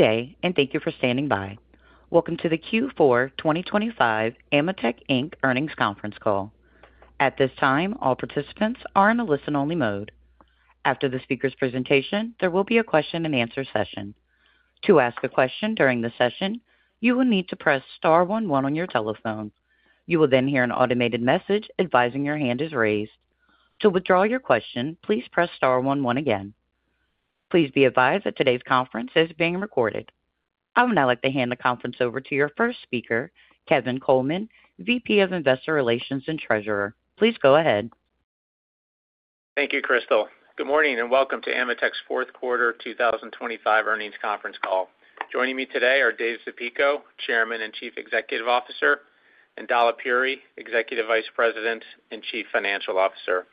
Good day, and thank you for standing by. Welcome to the Q4 2025 AMETEK, Inc earnings conference call. At this time, all participants are in a listen-only mode. After the speaker's presentation, there will be a question-and-answer session. To ask a question during the session, you will need to press star one one on your telephone. You will then hear an automated message advising your hand is raised. To withdraw your question, please press star one one again. Please be advised that today's conference is being recorded. I would now like to hand the conference over to your first speaker Kevin Coleman, VP of Investor Relations and Treasurer. Please go ahead. Thank you, Crystal. Good morning, and welcome to AMETEK's fourth quarter 2025 earnings conference call. Joining me today are Dave Zapico, Chairman and Chief Executive Officer, and Dalip Puri, Executive Vice President and Chief Financial Officer.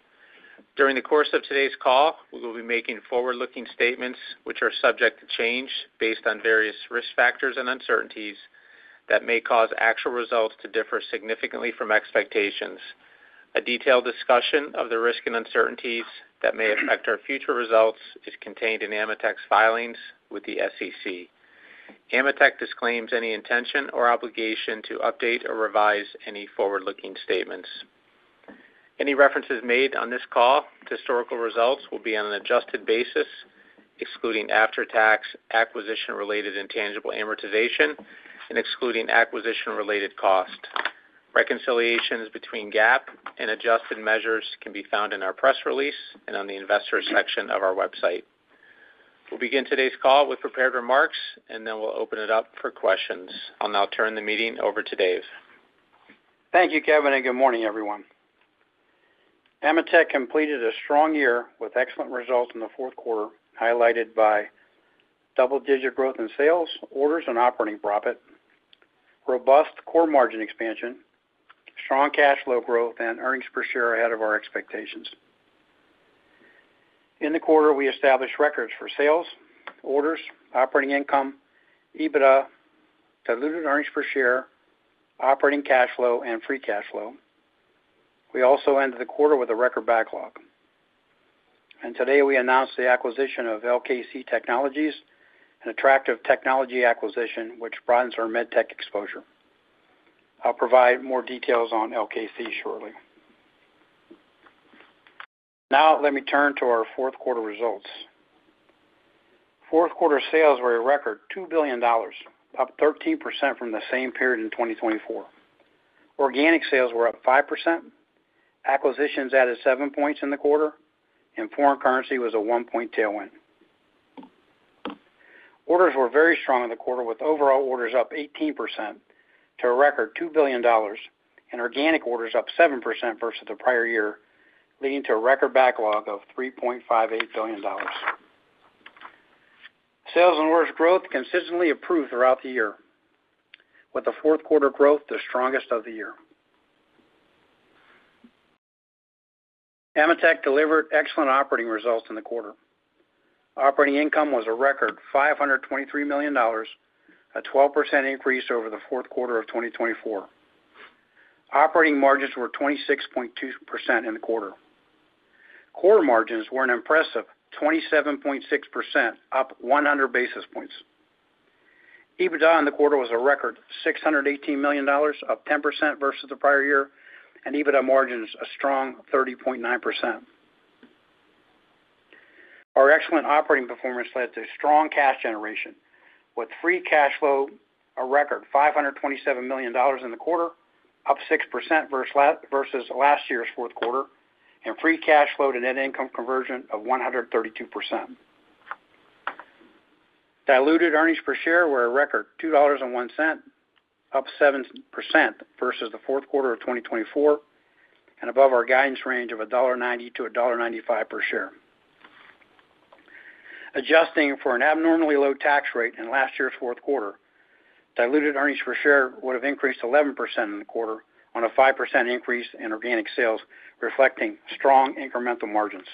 During the course of today's call, we will be making forward-looking statements, which are subject to change based on various risk factors and uncertainties that may cause actual results to differ significantly from expectations. A detailed discussion of the risks and uncertainties that may affect our future results is contained in AMETEK's filings with the SEC. AMETEK disclaims any intention or obligation to update or revise any forward-looking statements. Any references made on this call to historical results will be on an adjusted basis, excluding after-tax, acquisition-related intangible amortization, and excluding acquisition-related costs. Reconciliations between GAAP and adjusted measures can be found in our press release and on the Investors section of our website. We'll begin today's call with prepared remarks, and then we'll open it up for questions. I'll now turn the meeting over to Dave. Thank you, Kevin, and good morning, everyone. AMETEK completed a strong year with excellent results in the fourth quarter, highlighted by double-digit growth in sales, orders, and operating profit, robust core margin expansion, strong cash flow growth, and earnings per share ahead of our expectations. In the quarter, we established records for sales, orders, operating income, EBITDA, diluted earnings per share, operating cash flow, and free cash flow. We also ended the quarter with a record backlog. Today, we announced the acquisition of LKC Technologies, an attractive technology acquisition, which broadens our med tech exposure. I'll provide more details on LKC shortly. Now, let me turn to our fourth quarter results. Fourth quarter sales were a record $2 billion, up 13% from the same period in 2024. Organic sales were up 5%, acquisitions added 7 points in the quarter, and foreign currency was a 1-point tailwind. Orders were very strong in the quarter, with overall orders up 18% to a record $2 billion and organic orders up 7% versus the prior year, leading to a record backlog of $3.58 billion. Sales and orders growth consistently improved throughout the year, with the fourth quarter growth the strongest of the year. AMETEK delivered excellent operating results in the quarter. Operating income was a record $523 million, a 12% increase over the fourth quarter of 2024. Operating margins were 26.2% in the quarter. Core margins were an impressive 27.6%, up 100 basis points. EBITDA in the quarter was a record $618 million, up 10% versus the prior year, and EBITDA margins, a strong 30.9%. Our excellent operating performance led to strong cash generation, with free cash flow a record $527 million in the quarter, up 6% versus last year's fourth quarter, and free cash flow to net income conversion of 132%. Diluted earnings per share were a record $2.01, up 7% versus the fourth quarter of 2024, and above our guidance range of $1.90-$1.95 per share. Adjusting for an abnormally low tax rate in last year's fourth quarter, diluted earnings per share would have increased 11% in the quarter on a 5% increase in organic sales, reflecting strong incremental margins.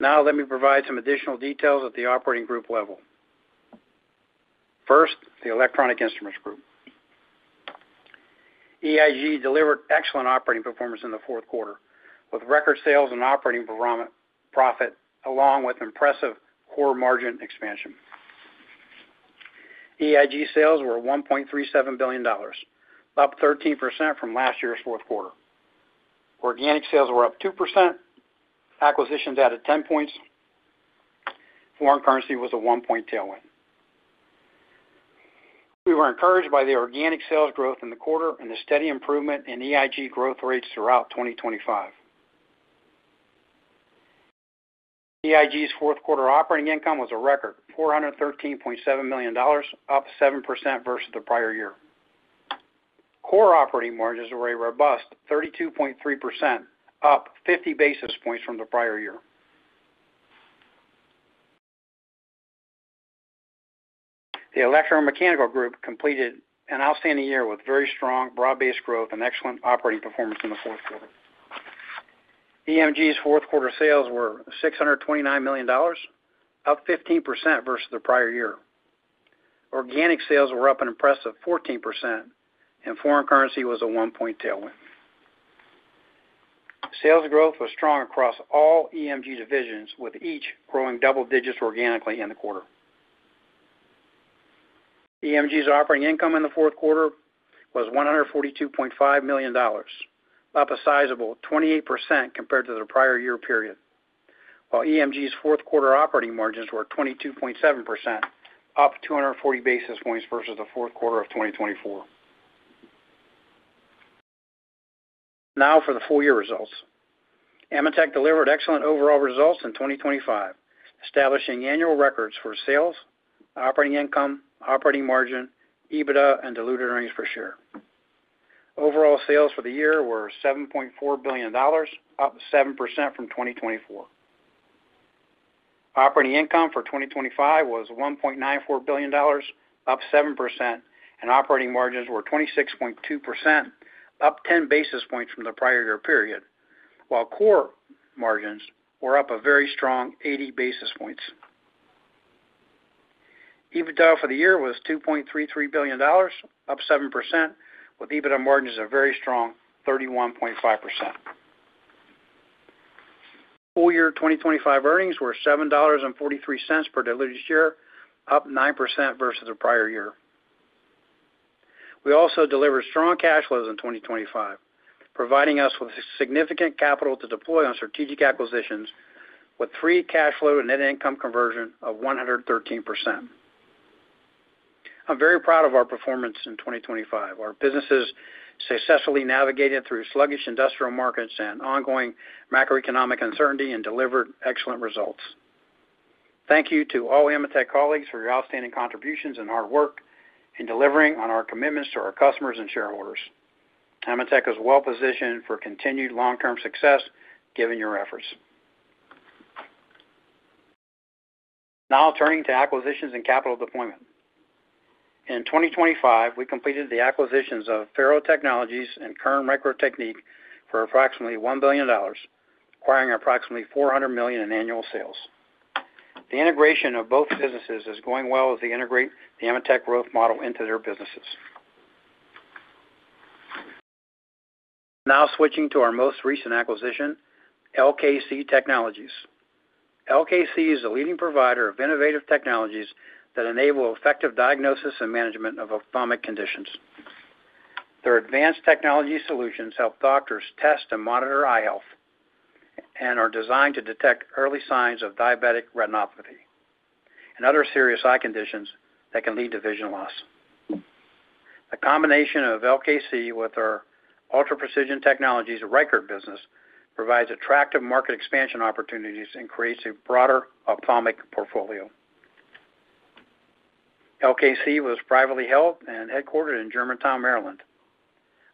Now, let me provide some additional details at the operating group level. First, the Electronic Instruments Group. EIG delivered excellent operating performance in the fourth quarter, with record sales and operating profit, along with impressive core margin expansion. EIG sales were $1.37 billion, up 13% from last year's fourth quarter. Organic sales were up 2%, acquisitions added 10 points. Foreign currency was a 1-point tailwind. We were encouraged by the organic sales growth in the quarter and the steady improvement in EIG growth rates throughout 2025. EIG's fourth quarter operating income was a record $413.7 million, up 7% versus the prior year. Core operating margins were a robust 32.3%, up 50 basis points from the prior year. The Electromechanical Group completed an outstanding year with very strong broad-based growth and excellent operating performance in the fourth quarter. EMG's fourth quarter sales were $629 million, up 15% versus the prior year. Organic sales were up an impressive 14%, and foreign currency was a 1-point tailwind. Sales growth was strong across all EMG divisions, with each growing double digits organically in the quarter. EMG's operating income in the fourth quarter was $142.5 million, up a sizable 28% compared to the prior year period, while EMG's fourth quarter operating margins were 22.7%, up 240 basis points versus the fourth quarter of 2024. Now for the full year results. AMETEK delivered excellent overall results in 2025, establishing annual records for sales, operating income, operating margin, EBITDA, and diluted earnings per share. Overall sales for the year were $7.4 billion, up 7% from 2024. Operating income for 2025 was $1.94 billion, up 7%, and operating margins were 26.2%, up 10 basis points from the prior year period, while core margins were up a very strong 80 basis points. EBITDA for the year was $2.33 billion, up 7%, with EBITDA margins a very strong 31.5%. Full year 2025 earnings were $7.43 per diluted share, up 9% versus the prior year. We also delivered strong cash flows in 2025, providing us with significant capital to deploy on strategic acquisitions with free cash flow and net income conversion of 113%. I'm very proud of our performance in 2025. Our businesses successfully navigated through sluggish industrial markets and ongoing macroeconomic uncertainty and delivered excellent results. Thank you to all AMETEK colleagues for your outstanding contributions and hard work in delivering on our commitments to our customers and shareholders. AMETEK is well positioned for continued long-term success, given your efforts. Now turning to acquisitions and capital deployment. In 2025, we completed the acquisitions of FARO Technologies and Kern Microtechnik for approximately $1 billion, acquiring approximately $400 million in annual sales. The integration of both businesses is going well as they integrate the AMETEK Growth Model into their businesses. Now switching to our most recent acquisition, LKC Technologies. LKC is a leading provider of innovative technologies that enable effective diagnosis and management of ophthalmic conditions. Their advanced technology solutions help doctors test and monitor eye health, and are designed to detect early signs of diabetic retinopathy and other serious eye conditions that can lead to vision loss. The combination of LKC with our Ultra Precision Technologies, Reichert business provides attractive market expansion opportunities and creates a broader ophthalmic portfolio. LKC was privately held and headquartered in Germantown, Maryland.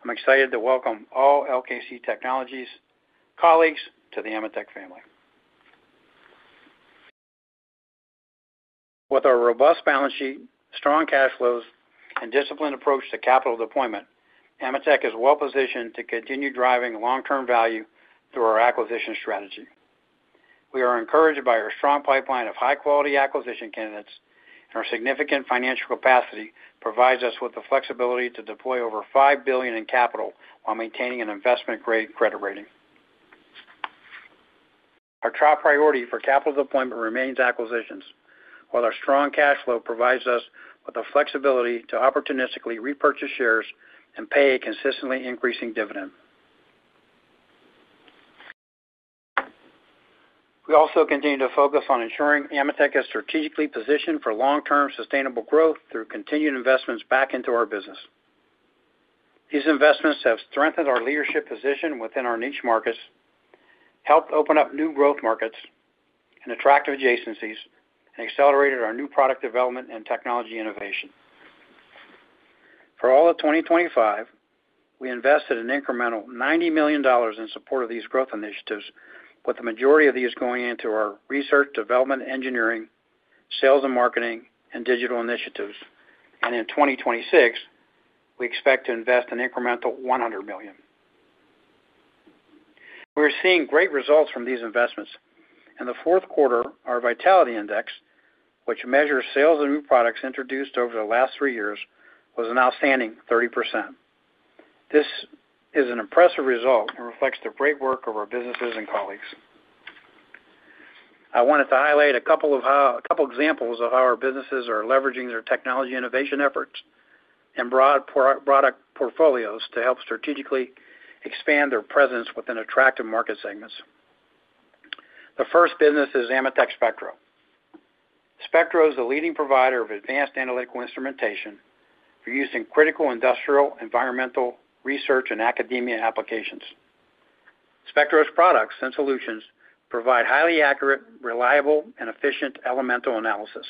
I'm excited to welcome all LKC Technologies colleagues to the AMETEK family. With our robust balance sheet, strong cash flows, and disciplined approach to capital deployment, AMETEK is well positioned to continue driving long-term value through our acquisition strategy. We are encouraged by our strong pipeline of high-quality acquisition candidates, and our significant financial capacity provides us with the flexibility to deploy over $5 billion in capital while maintaining an investment-grade credit rating. Our top priority for capital deployment remains acquisitions, while our strong cash flow provides us with the flexibility to opportunistically repurchase shares and pay a consistently increasing dividend. We also continue to focus on ensuring AMETEK is strategically positioned for long-term, sustainable growth through continued investments back into our business. These investments have strengthened our leadership position within our niche markets, helped open up new growth markets and attractive adjacencies, and accelerated our new product development and technology innovation. For all of 2025, we invested an incremental $90 million in support of these growth initiatives, with the majority of these going into our research, development, engineering, sales and marketing, and digital initiatives. In 2026, we expect to invest an incremental $100 million. We're seeing great results from these investments. In the fourth quarter, our Vitality Index, which measures sales and new products introduced over the last three years, was an outstanding 30%. This is an impressive result and reflects the great work of our businesses and colleagues. I wanted to highlight a couple examples of how our businesses are leveraging their technology innovation efforts and broad product portfolios to help strategically expand their presence within attractive market segments. The first business is AMETEK SPECTRO. SPECTRO is a leading provider of advanced analytical instrumentation for use in critical industrial, environmental, research, and academia applications. SPECTRO's products and solutions provide highly accurate, reliable, and efficient elemental analysis.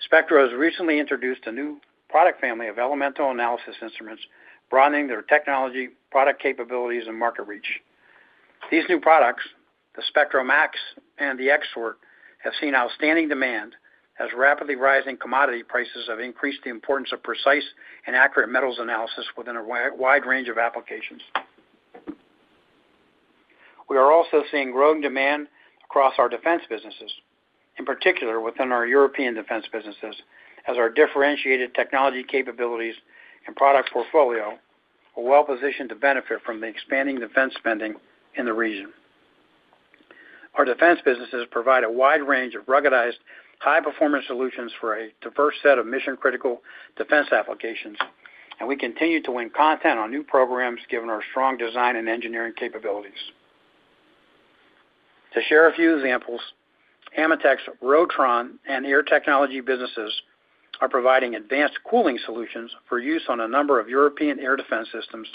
SPECTRO has recently introduced a new product family of elemental analysis instruments, broadening their technology, product capabilities, and market reach. These new products, the SPECTROMAXx and the xSORT, have seen outstanding demand, as rapidly rising commodity prices have increased the importance of precise and accurate metals analysis within a wide range of applications.... We are also seeing growing demand across our defense businesses, in particular within our European defense businesses, as our differentiated technology capabilities and product portfolio are well positioned to benefit from the expanding defense spending in the region. Our defense businesses provide a wide range of ruggedized, high-performance solutions for a diverse set of mission-critical defense applications, and we continue to win content on new programs, given our strong design and engineering capabilities. To share a few examples, AMETEK's Rotron and Air Technology businesses are providing advanced cooling solutions for use on a number of European air defense systems.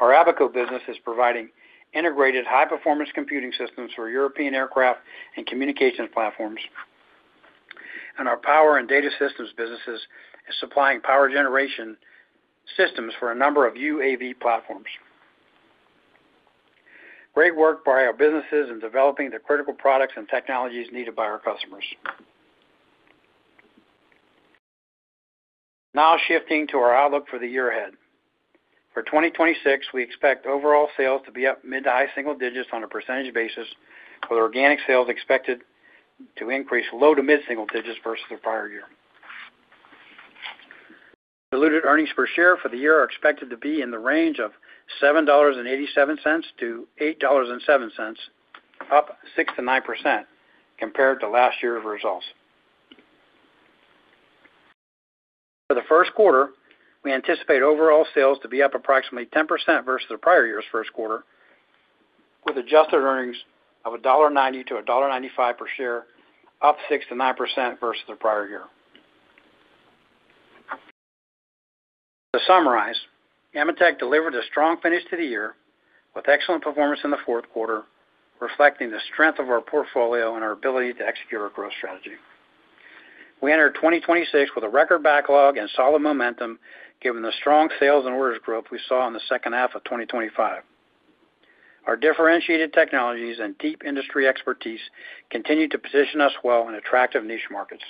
Our Abaco business is providing integrated, high-performance computing systems for European aircraft and communication platforms, and our Power and Data Systems businesses is supplying power generation systems for a number of UAV platforms. Great work by our businesses in developing the critical products and technologies needed by our customers. Now, shifting to our outlook for the year ahead. For 2026, we expect overall sales to be up mid- to high-single digits on a percentage basis, with organic sales expected to increase low- to mid-single digits versus the prior year. Diluted earnings per share for the year are expected to be in the range of $7.87-$8.07, up 6%-9% compared to last year's results. For the first quarter, we anticipate overall sales to be up approximately 10% versus the prior year's first quarter, with adjusted earnings of $1.90-$1.95 per share, up 6%-9% versus the prior year. To summarize, AMETEK delivered a strong finish to the year, with excellent performance in the fourth quarter, reflecting the strength of our portfolio and our ability to execute our growth strategy. We entered 2026 with a record backlog and solid momentum, given the strong sales and orders growth we saw in the second half of 2025. Our differentiated technologies and deep industry expertise continue to position us well in attractive niche markets.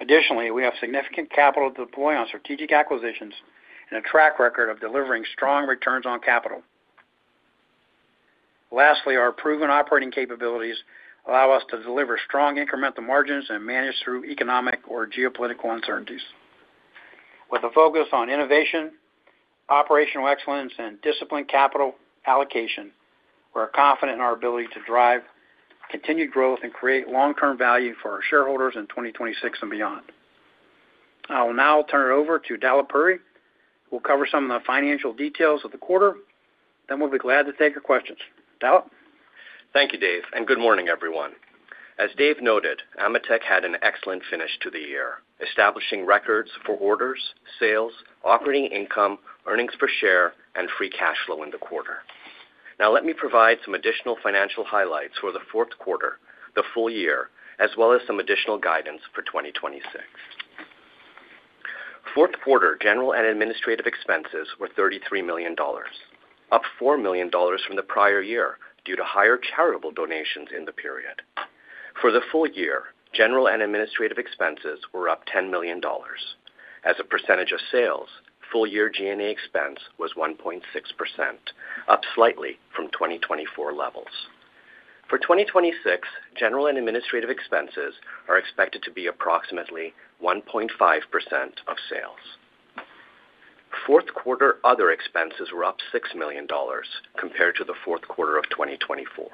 Additionally, we have significant capital to deploy on strategic acquisitions and a track record of delivering strong returns on capital. Lastly, our proven operating capabilities allow us to deliver strong incremental margins and manage through economic or geopolitical uncertainties. With a focus on innovation, operational excellence, and disciplined capital allocation, we're confident in our ability to drive continued growth and create long-term value for our shareholders in 2026 and beyond. I will now turn it over to Dalip Puri, who will cover some of the financial details of the quarter, then we'll be glad to take your questions. Dalip? Thank you, Dave, and good morning, everyone. As Dave noted, AMETEK had an excellent finish to the year, establishing records for orders, sales, operating income, earnings per share, and free cash flow in the quarter. Now, let me provide some additional financial highlights for the fourth quarter, the full year, as well as some additional guidance for 2026. Fourth quarter general and administrative expenses were $33 million, up $4 million from the prior year due to higher charitable donations in the period. For the full year, general and administrative expenses were up $10 million. As a percentage of sales, full year G&A expense was 1.6%, up slightly from 2024 levels. For 2026, general and administrative expenses are expected to be approximately 1.5% of sales. Fourth quarter other expenses were up $6 million compared to the fourth quarter of 2024.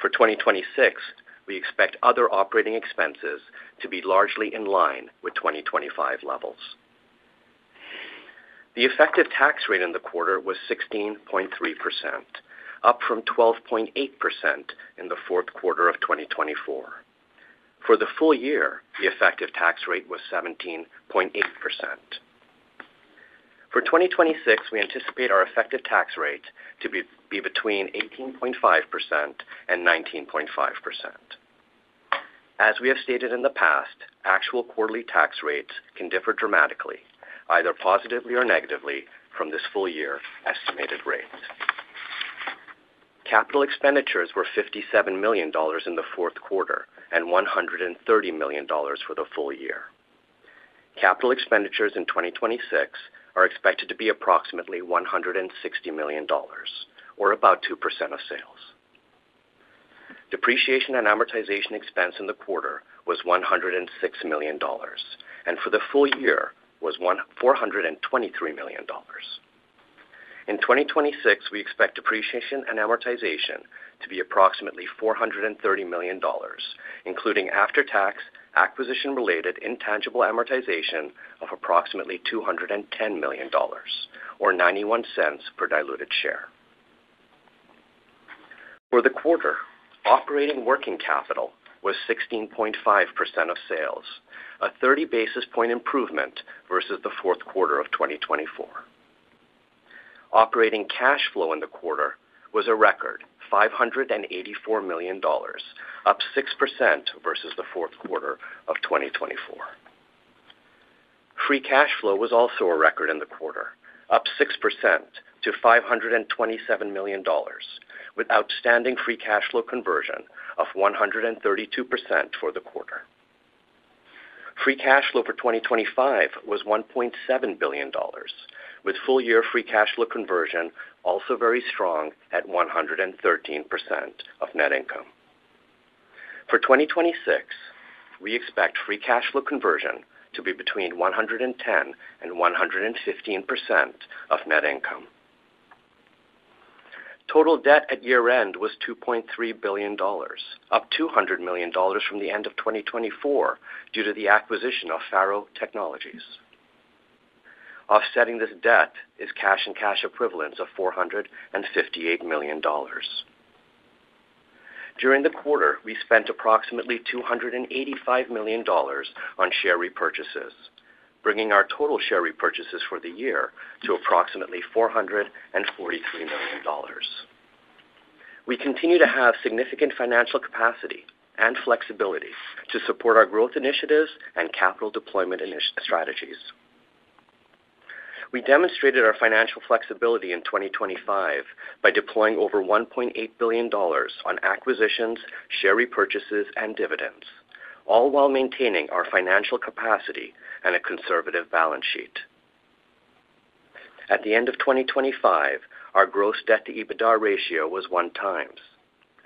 For 2026, we expect other operating expenses to be largely in line with 2025 levels. The effective tax rate in the quarter was 16.3%, up from 12.8% in the fourth quarter of 2024. For the full year, the effective tax rate was 17.8%. For 2026, we anticipate our effective tax rate to be between 18.5% and 19.5%. As we have stated in the past, actual quarterly tax rates can differ dramatically, either positively or negatively, from this full year estimated rates. Capital expenditures were $57 million in the fourth quarter and $130 million for the full year. Capital expenditures in 2026 are expected to be approximately $160 million, or about 2% of sales. Depreciation and amortization expense in the quarter was $106 million, and for the full year was $143 million. In 2026, we expect depreciation and amortization to be approximately $430 million, including after-tax, acquisition-related intangible amortization of approximately $210 million, or $0.91 per diluted share. For the quarter, operating working capital was 16.5% of sales, a 30 basis point improvement versus the fourth quarter of 2024. Operating cash flow in the quarter was a record $584 million, up 6% versus the fourth quarter of 2024. Free cash flow was also a record in the quarter, up 6% to $527 million, with outstanding free cash flow conversion of 132% for the quarter. Free cash flow for 2025 was $1.7 billion, with full year free cash flow conversion also very strong at 113% of net income. For 2026, we expect free cash flow conversion to be between 110% and 115% of net income. Total debt at year-end was $2.3 billion, up $200 million from the end of 2024 due to the acquisition of FARO Technologies. Offsetting this debt is cash and cash equivalents of $458 million. During the quarter, we spent approximately $285 million on share repurchases, bringing our total share repurchases for the year to approximately $443 million. We continue to have significant financial capacity and flexibility to support our growth initiatives and capital deployment strategies. We demonstrated our financial flexibility in 2025 by deploying over $1.8 billion on acquisitions, share repurchases, and dividends, all while maintaining our financial capacity and a conservative balance sheet. At the end of 2025, our gross debt to EBITDA ratio was 1x,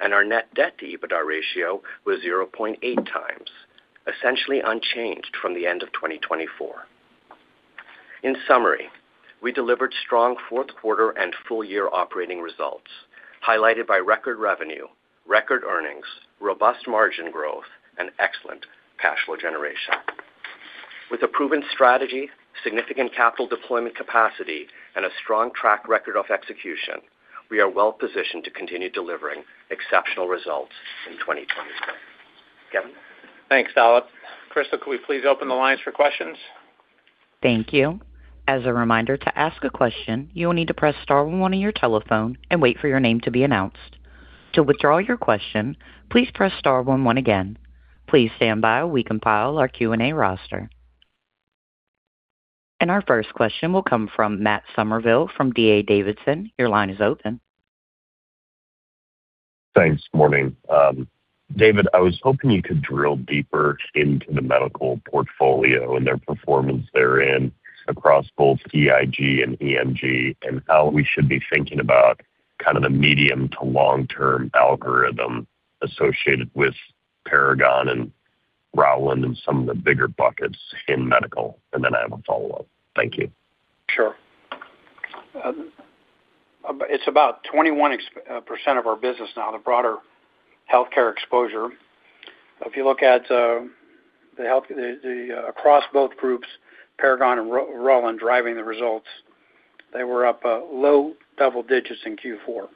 and our net debt to EBITDA ratio was 0.8x, essentially unchanged from the end of 2024. In summary, we delivered strong fourth quarter and full year operating results, highlighted by record revenue, record earnings, robust margin growth, and excellent cash flow generation. With a proven strategy, significant capital deployment capacity, and a strong track record of execution, we are well positioned to continue delivering exceptional results in 2026. Kevin? Thanks, Dalip. Crystal, could we please open the lines for questions? Thank you. As a reminder, to ask a question, you will need to press star one on your telephone and wait for your name to be announced. To withdraw your question, please press star one one again. Please stand by while we compile our Q&A roster. Our first question will come from Matt Somerville from D.A. Davidson. Your line is open. Thanks. Morning. David, I was hoping you could drill deeper into the medical portfolio and their performance therein across both EIG and EMG, and how we should be thinking about kind of the medium- to long-term algorithm associated with Paragon and Rauland and some of the bigger buckets in medical. And then I have a follow-up. Thank you. Sure. It's about 21% of our business now, the broader healthcare exposure. If you look at across both groups, Paragon and Rauland, driving the results, they were up low double digits in Q4.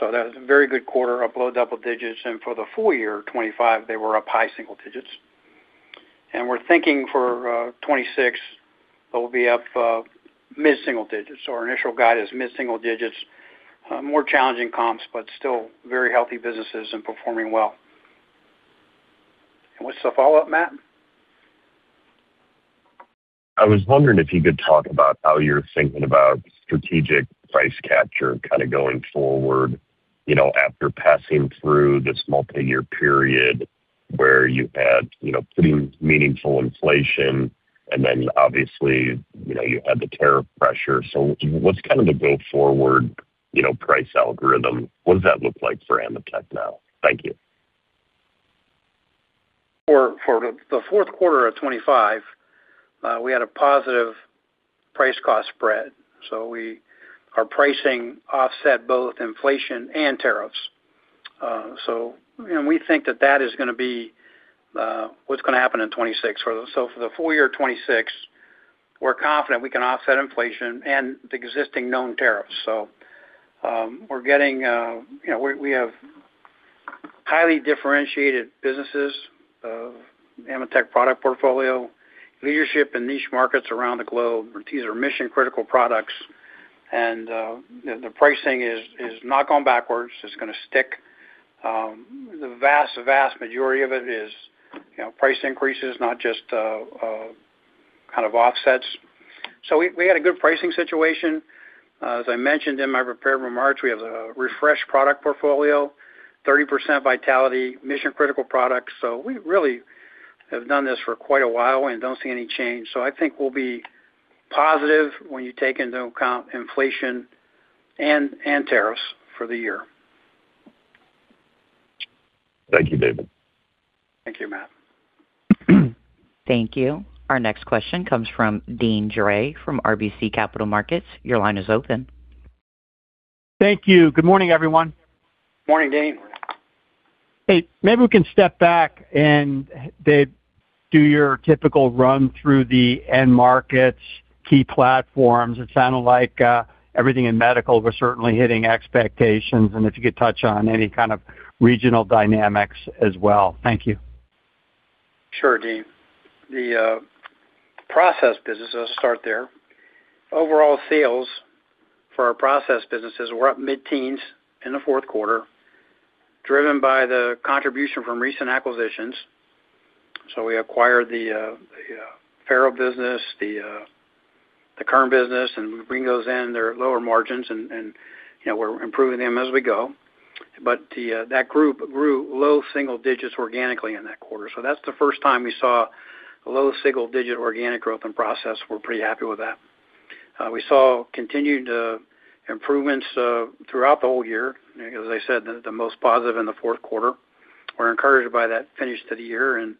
So that was a very good quarter, up low double digits, and for the full year 2025, they were up high single digits. And we're thinking for 2026, they'll be up mid-single digits. So our initial guide is mid-single digits, more challenging comps, but still very healthy businesses and performing well. And what's the follow-up, Matt? I was wondering if you could talk about how you're thinking about strategic price capture kind of going forward, you know, after passing through this multiyear period where you've had, you know, pretty meaningful inflation, and then obviously, you know, you had the tariff pressure. So what's kind of the go forward, you know, price algorithm? What does that look like for AMETEK now? Thank you. For the fourth quarter of 2025, we had a positive price cost spread, so our pricing offset both inflation and tariffs. So, you know, we think that that is going to be what's going to happen in 2026. So for the full year 2026, we're confident we can offset inflation and the existing known tariffs. So, you know, we have highly differentiated businesses of AMETEK product portfolio, leadership in niche markets around the globe. These are mission-critical products, and the pricing is not going backwards. It's going to stick. The vast majority of it is, you know, price increases, not just kind of offsets. So we had a good pricing situation. As I mentioned in my prepared remarks, we have a refreshed product portfolio, 30% vitality, mission-critical products. So we really have done this for quite a while and don't see any change. So I think we'll be positive when you take into account inflation and tariffs for the year. Thank you, David. Thank you, Matt. Thank you. Our next question comes from Deane Dray from RBC Capital Markets. Your line is open. Thank you. Good morning, everyone. Morning, Deane. Hey, maybe we can step back and, Dave, do your typical run through the end markets, key platforms. It sounded like everything in medical was certainly hitting expectations, and if you could touch on any kind of regional dynamics as well. Thank you. Sure, Deane. The process businesses, start there. Overall sales for our process businesses were up mid-teens in the fourth quarter, driven by the contribution from recent acquisitions. So we acquired the FARO business, the Kern business, and we bring those in, they're lower margins, and, you know, we're improving them as we go. But that group grew low single digits organically in that quarter. So that's the first time we saw a low single digit organic growth in process. We're pretty happy with that. We saw continued improvements throughout the whole year. As I said, the most positive in the fourth quarter. We're encouraged by that finish to the year, and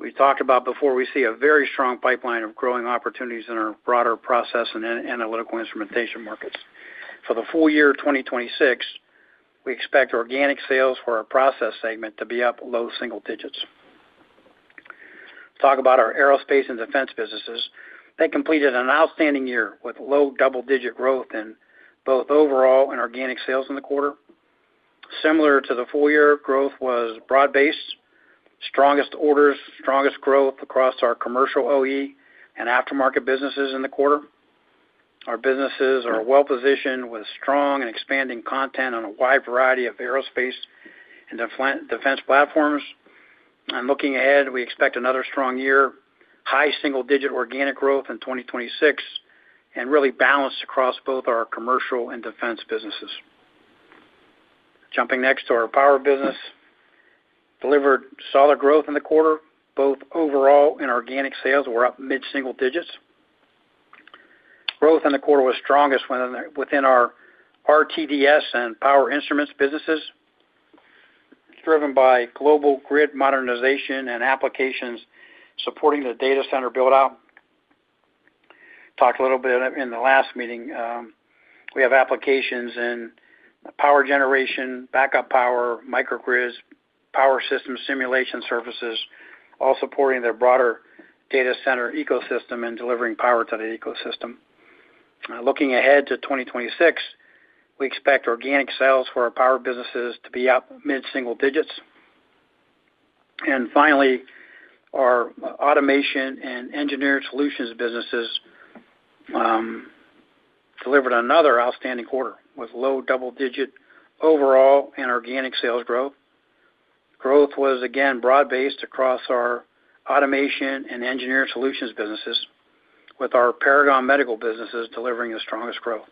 we talked about before, we see a very strong pipeline of growing opportunities in our broader process and analytical instrumentation markets. For the full year 2026, we expect organic sales for our process segment to be up low single digits. Let's talk Aerospace & Defense businesses. They completed an outstanding year with low double-digit growth in both overall and organic sales in the quarter. Similar to the full year, growth was broad-based, strongest orders, strongest growth across our commercial OE and aftermarket businesses in the quarter. Our businesses are well positioned with strong and expanding content on a wide Aerospace & Defense platforms. And looking ahead, we expect another strong year, high single-digit organic growth in 2026, and really balanced across both our commercial and defense businesses. Jumping next to our power business, delivered solid growth in the quarter, both overall and organic sales were up mid-single digits. Growth in the quarter was strongest when, within our RTDS and Power Instruments businesses, driven by global grid modernization and applications supporting the data center build out. Talked a little bit in the last meeting, we have applications in power generation, backup power, microgrids, power system simulation services, all supporting their broader data center ecosystem and delivering power to the ecosystem. Looking ahead to 2026, we expect organic sales for our power businesses to be up mid-single digits. And finally, our Automation and Engineered Solutions businesses delivered another outstanding quarter with low double-digit overall and organic sales growth. Growth was again broad-based across our Automation and Engineered Solutions businesses, with our Paragon Medical businesses delivering the strongest growth.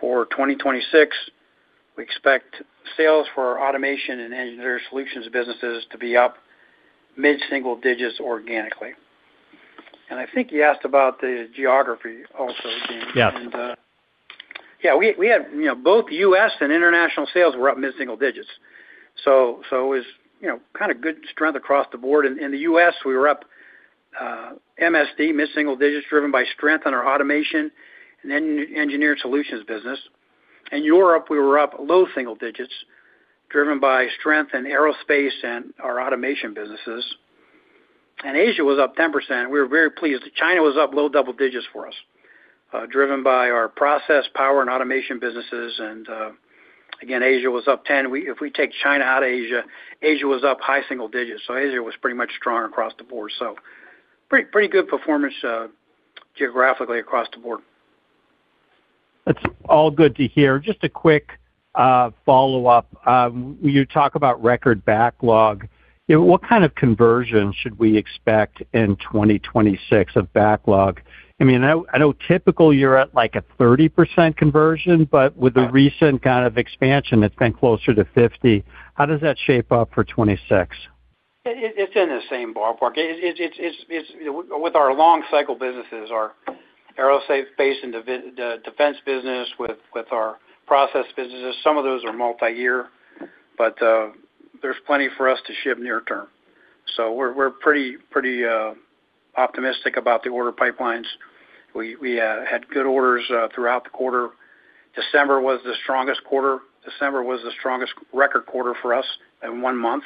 For 2026, we expect sales for our Automation and Engineered Solutions businesses to be up mid-single digits organically. I think you asked about the geography also, Deane? Yeah. Yeah, we had, you know, both U.S. and international sales were up mid-single digits. So it was, you know, kind of good strength across the board. In the U.S., we were up mid-single digits, driven by strength in our Automation and Engineered Solutions business. In Europe, we were up low single digits, driven by strength in aerospace and our automation businesses. And Asia was up 10%. We were very pleased. China was up low double digits for us, driven by our process, power, and automation businesses. And again, Asia was up 10. If we take China out of Asia, Asia was up high single digits, so Asia was pretty much strong across the board. So pretty good performance geographically across the board. That's all good to hear. Just a quick follow-up. You talk about record backlog. You know, what kind of conversion should we expect in 2026 of backlog? I mean, I know typically, you're at like a 30% conversion, but with the recent kind of expansion, it's been closer to 50%. How does that shape up for 2026? It's in the same ballpark. It's with our long cycle Aerospace & Defense business, with our process businesses, some of those are multiyear, but there's plenty for us to ship near term. So we're pretty optimistic about the order pipelines. We had good orders throughout the quarter. December was the strongest quarter. December was the strongest record quarter for us in one month,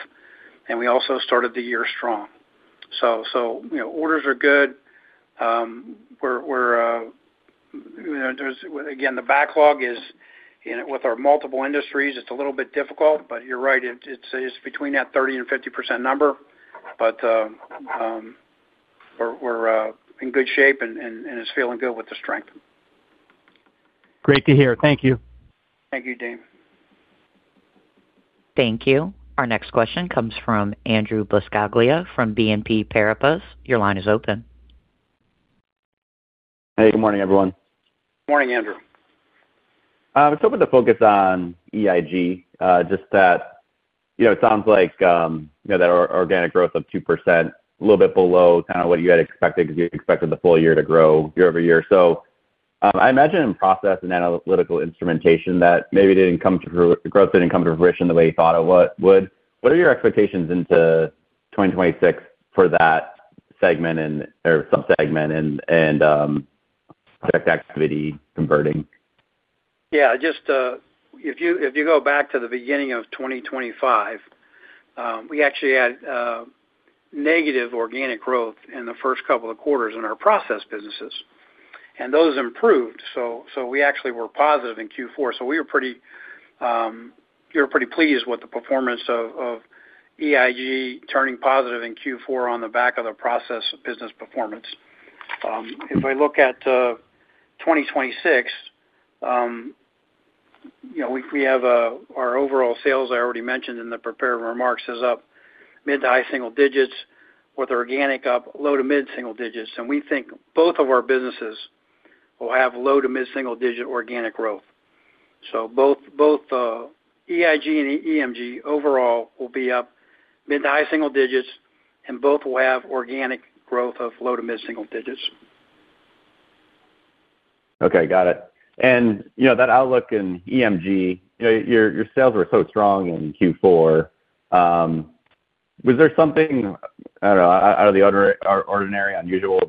and we also started the year strong. So you know, orders are good. We're, you know, there's, again, the backlog is, you know, with our multiple industries, it's a little bit difficult, but you're right, it's between that 30%-50% number. But we're in good shape and it's feeling good with the strength. Great to hear. Thank you. Thank you, Dave. Thank you. Our next question comes from Andrew Buscaglia from BNP Paribas. Your line is open. Hey, good morning, everyone. Morning, Andrew. I just wanted to focus on EIG. Just that, you know, it sounds like, you know, that our organic growth of 2%, a little bit below kind of what you had expected, because you expected the full year to grow year-over-year. So, I imagine in process and analytical instrumentation, that maybe growth didn't come to fruition the way you thought it would. What are your expectations into 2026 for that segment and/or subsegment and project activity converting? Yeah, just, if you, if you go back to the beginning of 2025, we actually had negative organic growth in the first couple of quarters in our process businesses, and those improved. So we actually were positive in Q4. So we were pretty pleased with the performance of EIG turning positive in Q4 on the back of the process business performance. If I look at 2026, you know, we have our overall sales, I already mentioned in the prepared remarks, is up mid- to high-single-digits, with organic up low- to mid-single-digits. And we think both of our businesses will have low- to mid-single-digit organic growth. So both EIG and EMG overall will be up mid- to high single digits, and both will have organic growth of low- to mid single digits. Okay, got it. And, you know, that outlook in EMG, you know, your sales were so strong in Q4. Was there something, I don't know, out of the ordinary, unusual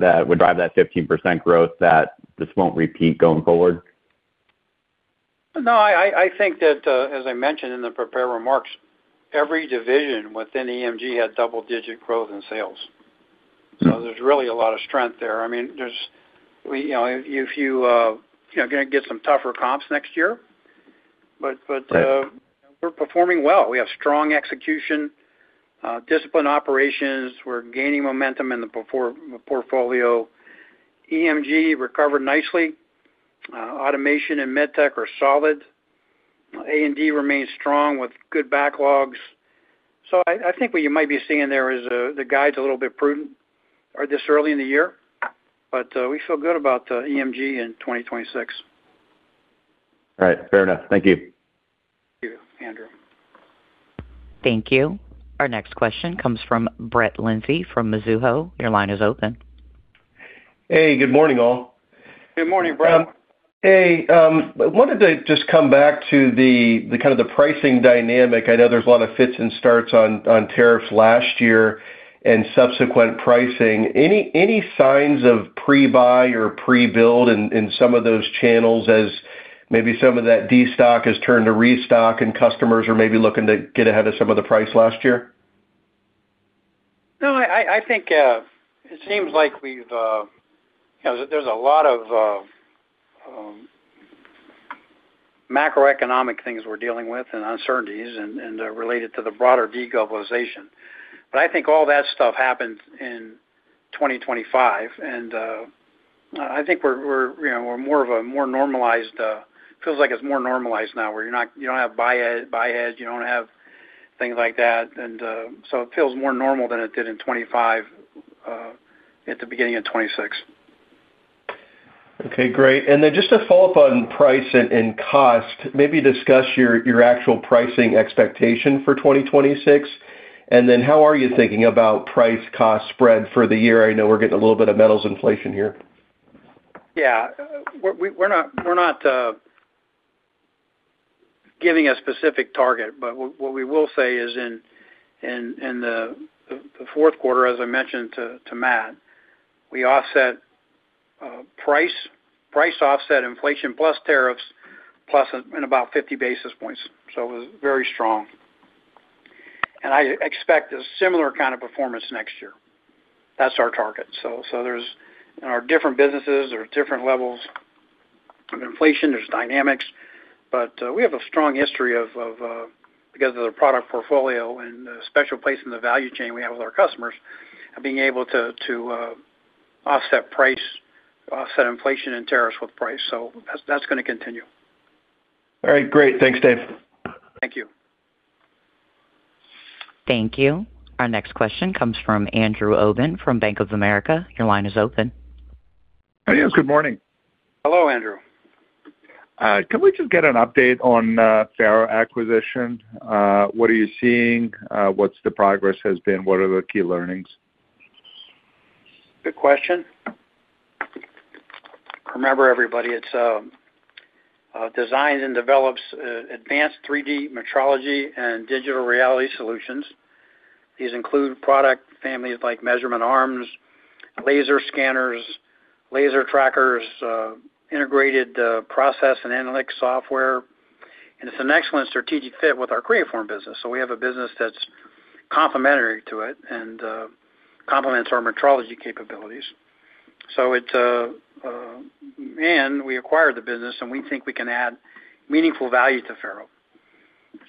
that would drive that 15% growth that just won't repeat going forward? No, I think that, as I mentioned in the prepared remarks, every division within EMG had double-digit growth in sales. So there's really a lot of strength there. I mean, we, you know, if you, you know, gonna get some tougher comps next year, but, but, we're performing well. We have strong execution, disciplined operations. We're gaining momentum in the portfolio. EMG recovered nicely. Automation and med tech are solid. A&D remains strong with good backlogs. So I think what you might be seeing there is, the guide's a little bit prudent, or this early in the year, but, we feel good about, EMG in 2026. All right. Fair enough. Thank you. Thank you, Andrew. Thank you. Our next question comes from Brett Linzey from Mizuho. Your line is open. Hey, good morning, all. Good morning, Brett. Hey, I wanted to just come back to the kind of pricing dynamic. I know there's a lot of fits and starts on tariffs last year and subsequent pricing. Any signs of pre-buy or pre-build in some of those channels as maybe some of that destock has turned to restock and customers are maybe looking to get ahead of some of the price last year? No, I think it seems like we've, you know, there's a lot of macroeconomic things we're dealing with and uncertainties and related to the broader deglobalization. But I think all that stuff happened in 2025, and I think we're, you know, we're more of a more normalized, feels like it's more normalized now, where you're not, you don't have buy ahead, you don't have things like that. And so it feels more normal than it did in 2025, at the beginning of 2026. Okay, great. Then just to follow-up on price and cost, maybe discuss your actual pricing expectation for 2026. Then how are you thinking about price cost spread for the year? I know we're getting a little bit of metals inflation here. Yeah, we're not giving a specific target, but what we will say is in the fourth quarter, as I mentioned to Matt, we offset price offset inflation plus tariffs, plus in about 50 basis points. So it was very strong. I expect a similar kind of performance next year. That's our target. So there's in our different businesses there are different levels of inflation, there's dynamics, but we have a strong history because of the product portfolio and the special place in the value chain we have with our customers, and being able to offset price offset inflation and tariffs with price. So that's gonna continue. All right, great. Thanks, Dave. Thank you. Thank you. Our next question comes from Andrew Obin from Bank of America. Your line is open. Good morning. Hello, Andrew. Can we just get an update on FARO acquisition? What are you seeing? What's the progress has been? What are the key learnings? Good question. Remember, everybody, it's designs and develops advanced 3D metrology and digital reality solutions. These include product families like measurement arms, laser scanners, laser trackers, integrated process and analytics software, and it's an excellent strategic fit with our Creaform business. So we have a business that's complementary to it and complements our metrology capabilities. So it's... And we acquired the business, and we think we can add meaningful value to FARO.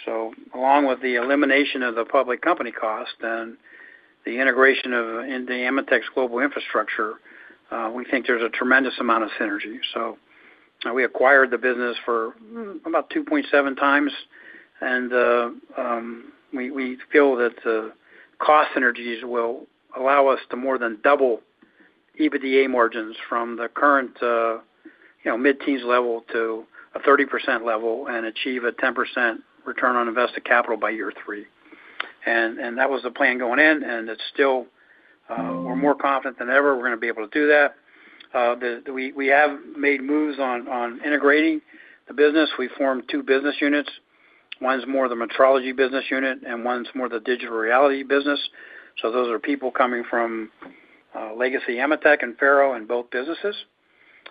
So along with the elimination of the public company cost and the integration of, in the AMETEK's global infrastructure, we think there's a tremendous amount of synergy. So we acquired the business for about 2.7x, and we feel that the cost synergies will allow us to more than double EBITDA margins from the current, you know, mid-teens level to a 30% level and achieve a 10% return on invested capital by year three. And that was the plan going in, and it's still, we're more confident than ever we're gonna be able to do that. We have made moves on integrating the business. We formed two business units. One's more the metrology business unit, and one's more the digital reality business. So those are people coming from legacy AMETEK and FARO in both businesses,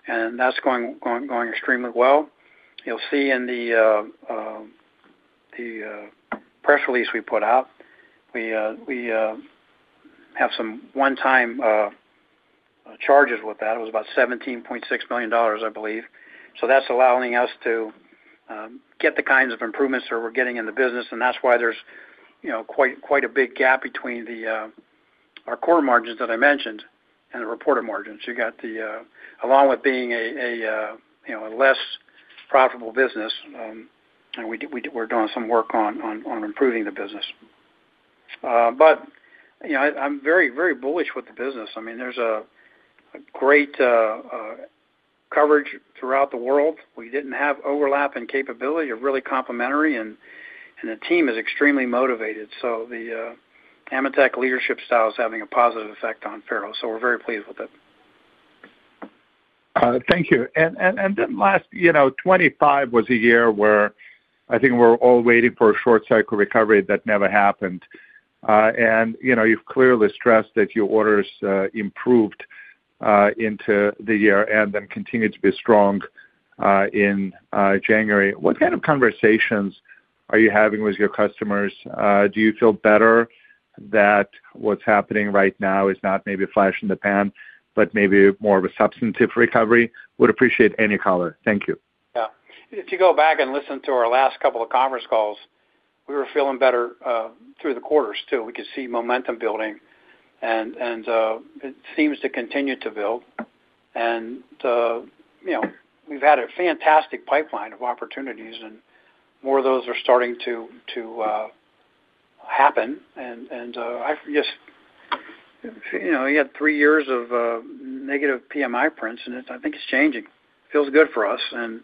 and that's going extremely well. You'll see in the press release we put out, we have some one-time charges with that. It was about $17.6 million, I believe. So that's allowing us to get the kinds of improvements that we're getting in the business, and that's why there's, you know, quite a big gap between our core margins that I mentioned and the reported margins. You got the along with being a, you know, a less profitable business, and we did, we're doing some work on improving the business. But, you know, I, I'm very, very bullish with the business. I mean, there's a great coverage throughout the world. We didn't have overlap in capability. We're really complementary, and the team is extremely motivated. The AMETEK leadership style is having a positive effect on FARO, so we're very pleased with it. Thank you. Then, you know, 2025 was a year where I think we're all waiting for a short cycle recovery that never happened. And, you know, you've clearly stressed that your orders improved into the year and then continued to be strong in January. What kind of conversations are you having with your customers? Do you feel better that what's happening right now is not maybe a flash in the pan, but maybe more of a substantive recovery? Would appreciate any color. Thank you. Yeah. If you go back and listen to our last couple of conference calls, we were feeling better through the quarters, too. We could see momentum building, and it seems to continue to build. And you know, we've had a fantastic pipeline of opportunities, and more of those are starting to happen. And I just, you know, you had three years of negative PMI prints, and it's. I think it's changing. Feels good for us, and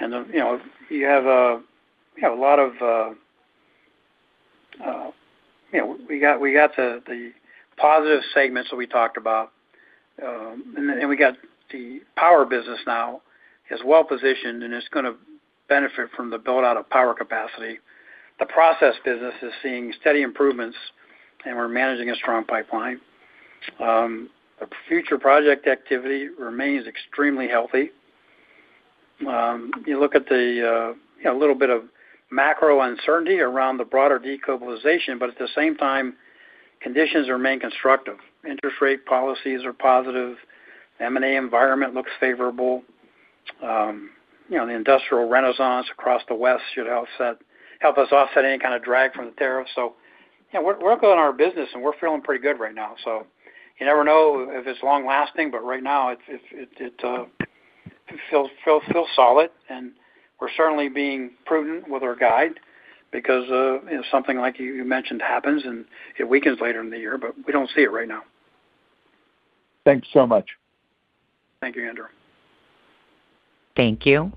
you know, you have a lot of, you know, we got the positive segments that we talked about, and then we got the power business now is well positioned, and it's gonna benefit from the build-out of power capacity. The process business is seeing steady improvements, and we're managing a strong pipeline. Our future project activity remains extremely healthy. You look at the, you know, a little bit of macro uncertainty around the broader deglobalization, but at the same time, conditions remain constructive. Interest rate policies are positive. M&A environment looks favorable. You know, the industrial renaissance across the West should help us offset any kind of drag from the tariffs. So, you know, we're building our business, and we're feeling pretty good right now. So you never know if it's long lasting, but right now, it feels solid, and we're certainly being prudent with our guide because, you know, something like you mentioned happens, and it weakens later in the year, but we don't see it right now. Thanks so much. Thank you, Andrew. Thank you.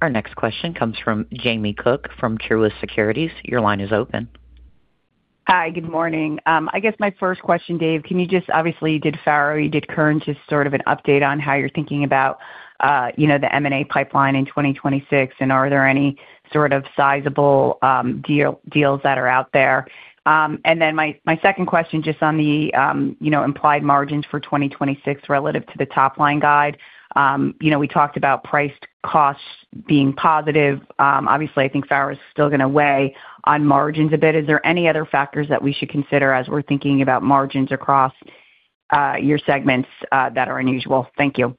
Our next question comes from Jamie Cook from Truist Securities. Your line is open. Hi, good morning. I guess my first question, Dave, can you just obviously did FARO, you did Kern, just sort of an update on how you're thinking about, you know, the M&A pipeline in 2026, and are there any sort of sizable, deal, deals that are out there? And then my, my second question, just on the, you know, implied margins for 2026 relative to the top-line guide. You know, we talked about priced costs being positive. Obviously, I think FARO is still gonna weigh on margins a bit. Is there any other factors that we should consider as we're thinking about margins across, your segments, that are unusual? Thank you.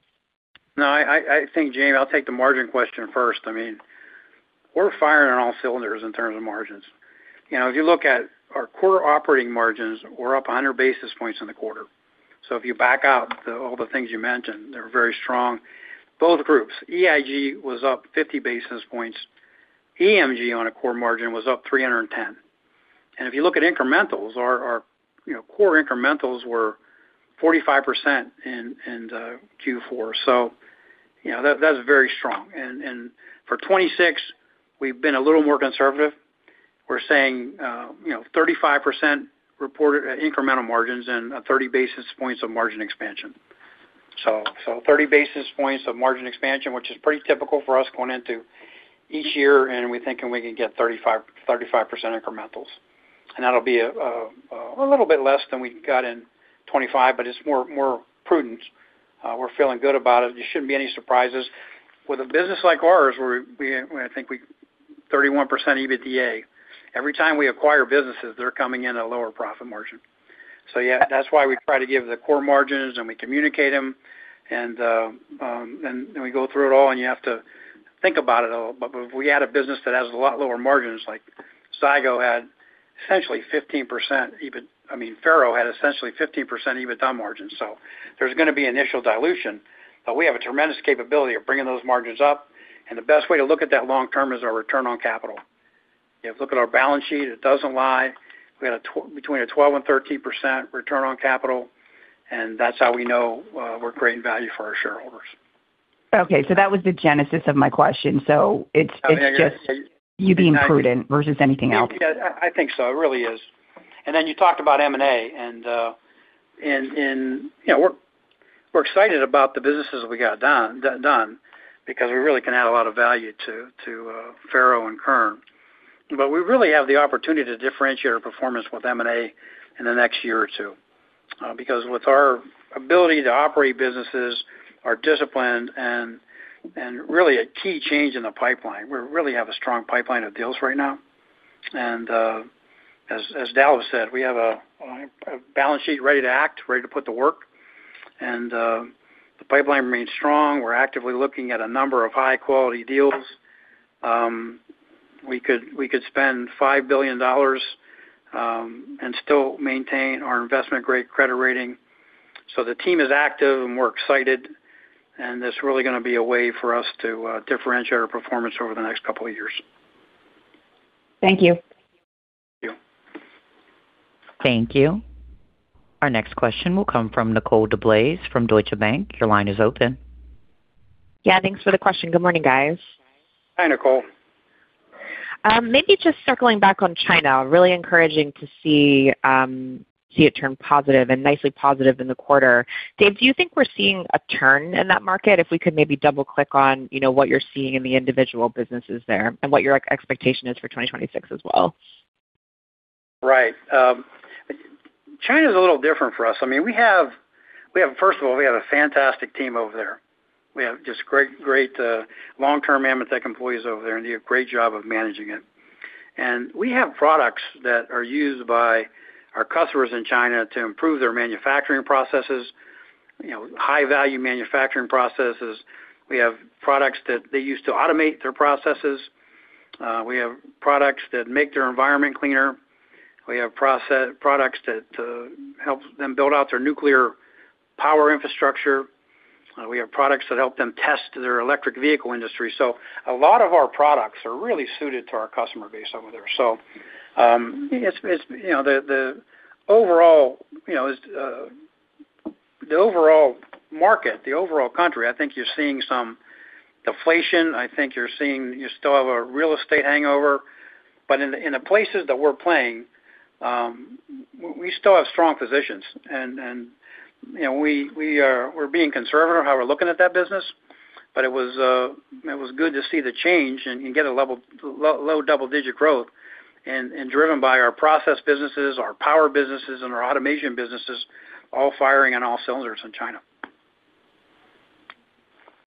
No, I think, Jamie, I'll take the margin question first. I mean, we're firing on all cylinders in terms of margins. You know, if you look at our core operating margins, we're up 100 basis points in the quarter. So if you back out all the things you mentioned, they're very strong. Both groups, EIG was up 50 basis points. EMG on a core margin was up 310. And if you look at incrementals, our you know, core incrementals were 45% in Q4. So, you know, that's very strong. And for 2026, we've been a little more conservative. We're saying, you know, 35% reported incremental margins and 30 basis points of margin expansion. So 30 basis points of margin expansion, which is pretty typical for us going into each year, and we're thinking we can get 35, 35% incrementals. And that'll be a little bit less than we got in 2025, but it's more prudent. We're feeling good about it. There shouldn't be any surprises. With a business like ours, we, I think we 31% EBITDA. Every time we acquire businesses, they're coming in at a lower profit margin. So yeah, that's why we try to give the core margins, and we communicate them, and we go through it all, and you have to think about it a little. But if we add a business that has a lot lower margins, like Zygo had essentially 15% EBITDA... I mean, FARO had essentially 15% EBITDA margins, so there's gonna be initial dilution, but we have a tremendous capability of bringing those margins up, and the best way to look at that long term is our return on capital. If you look at our balance sheet, it doesn't lie. We had between a 12% and 13% return on capital, and that's how we know we're creating value for our shareholders. Okay, so that was the genesis of my question. So it's just- Okay. you being prudent versus anything else? Yeah, I think so. It really is. And then you talked about M&A, and, you know, we're excited about the businesses that we got done because we really can add a lot of value to FARO and Kern. But we really have the opportunity to differentiate our performance with M&A in the next year or two, because with our ability to operate businesses, our discipline and really a key change in the pipeline, we really have a strong pipeline of deals right now. And, as Dalip said, we have a balance sheet ready to act, ready to put the work. And, the pipeline remains strong. We're actively looking at a number of high-quality deals. We could spend $5 billion, and still maintain our investment-grade credit rating. So the team is active, and we're excited, and it's really gonna be a way for us to differentiate our performance over the next couple of years. Thank you. Thank you. Thank you. Our next question will come from Nicole DeBlase from Deutsche Bank. Your line is open. Yeah, thanks for the question. Good morning, guys. Hi, Nicole. Maybe just circling back on China, really encouraging to see it turn positive and nicely positive in the quarter. Dave, do you think we're seeing a turn in that market? If we could maybe double click on, you know, what you're seeing in the individual businesses there and what your expectation is for 2026 as well? Right. China's a little different for us. I mean, we have, we have, first of all, we have a fantastic team over there. We have just great, great, long-term AMETEK employees over there, and they do a great job of managing it. And we have products that are used by our customers in China to improve their manufacturing processes, you know, high-value manufacturing processes. We have products that they use to automate their processes. We have products that make their environment cleaner. We have products that, to help them build out their nuclear power infrastructure. We have products that help them test their electric vehicle industry. So a lot of our products are really suited to our customer base over there. So, it's, it's, you know, the, the overall, you know, the overall market, the overall country, I think you're seeing some deflation. I think you're seeing you still have a real estate hangover, but in the places that we're playing, we still have strong positions, and you know, we're being conservative how we're looking at that business, but it was good to see the change and get a level low double-digit growth and driven by our process businesses, our power businesses, and our automation businesses, all firing on all cylinders in China.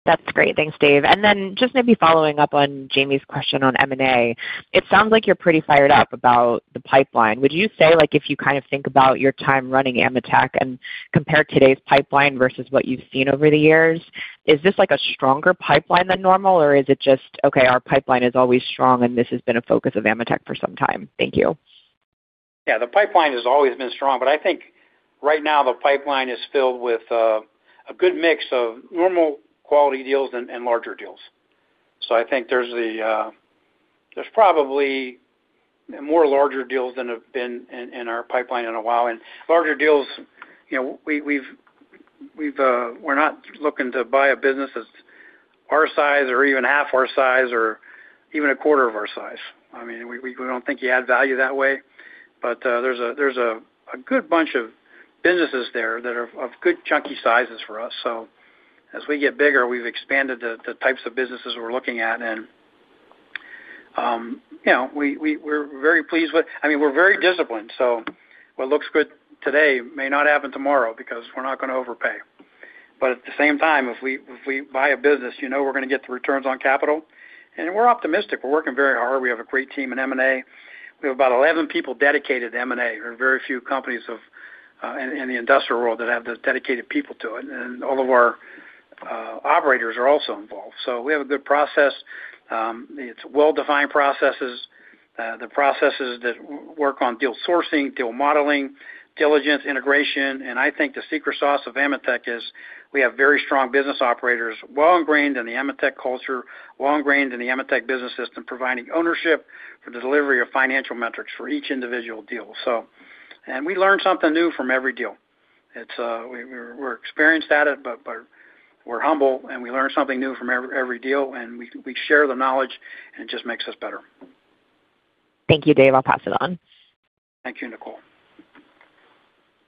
That's great. Thanks, Dave. And then just maybe following up on Jamie's question on M&A. It sounds like you're pretty fired up about the pipeline. Would you say, like, if you kind of think about your time running AMETEK and compare today's pipeline versus what you've seen over the years, is this like a stronger pipeline than normal, or is it just, okay, our pipeline is always strong, and this has been a focus of AMETEK for some time? Thank you. Yeah, the pipeline has always been strong, but I think right now the pipeline is filled with a good mix of normal quality deals and larger deals. So I think there's probably more larger deals than have been in our pipeline in a while, and larger deals, you know, we're not looking to buy a business that's our size or even half our size, or even a quarter of our size. I mean, we don't think you add value that way, but there's a good bunch of businesses there that are of good chunky sizes for us. So as we get bigger, we've expanded the types of businesses we're looking at, and, you know, we're very pleased with... I mean, we're very disciplined, so what looks good today may not happen tomorrow because we're not gonna overpay. But at the same time, if we buy a business, you know we're gonna get the returns on capital, and we're optimistic. We're working very hard. We have a great team in M&A. We have about 11 people dedicated to M&A. There are very few companies in the industrial world that have those dedicated people to it, and all of our operators are also involved. So we have a good process. It's well-defined processes, the processes that work on deal sourcing, deal modeling, diligence, integration, and I think the secret sauce of AMETEK is we have very strong business operators, well-ingrained in the AMETEK culture, well-ingrained in the AMETEK business system, providing ownership for the delivery of financial metrics for each individual deal. And we learn something new from every deal. It's, we're experienced at it, but we're humble, and we learn something new from every deal, and we share the knowledge, and it just makes us better. Thank you, Dave. I'll pass it on. Thank you, Nicole.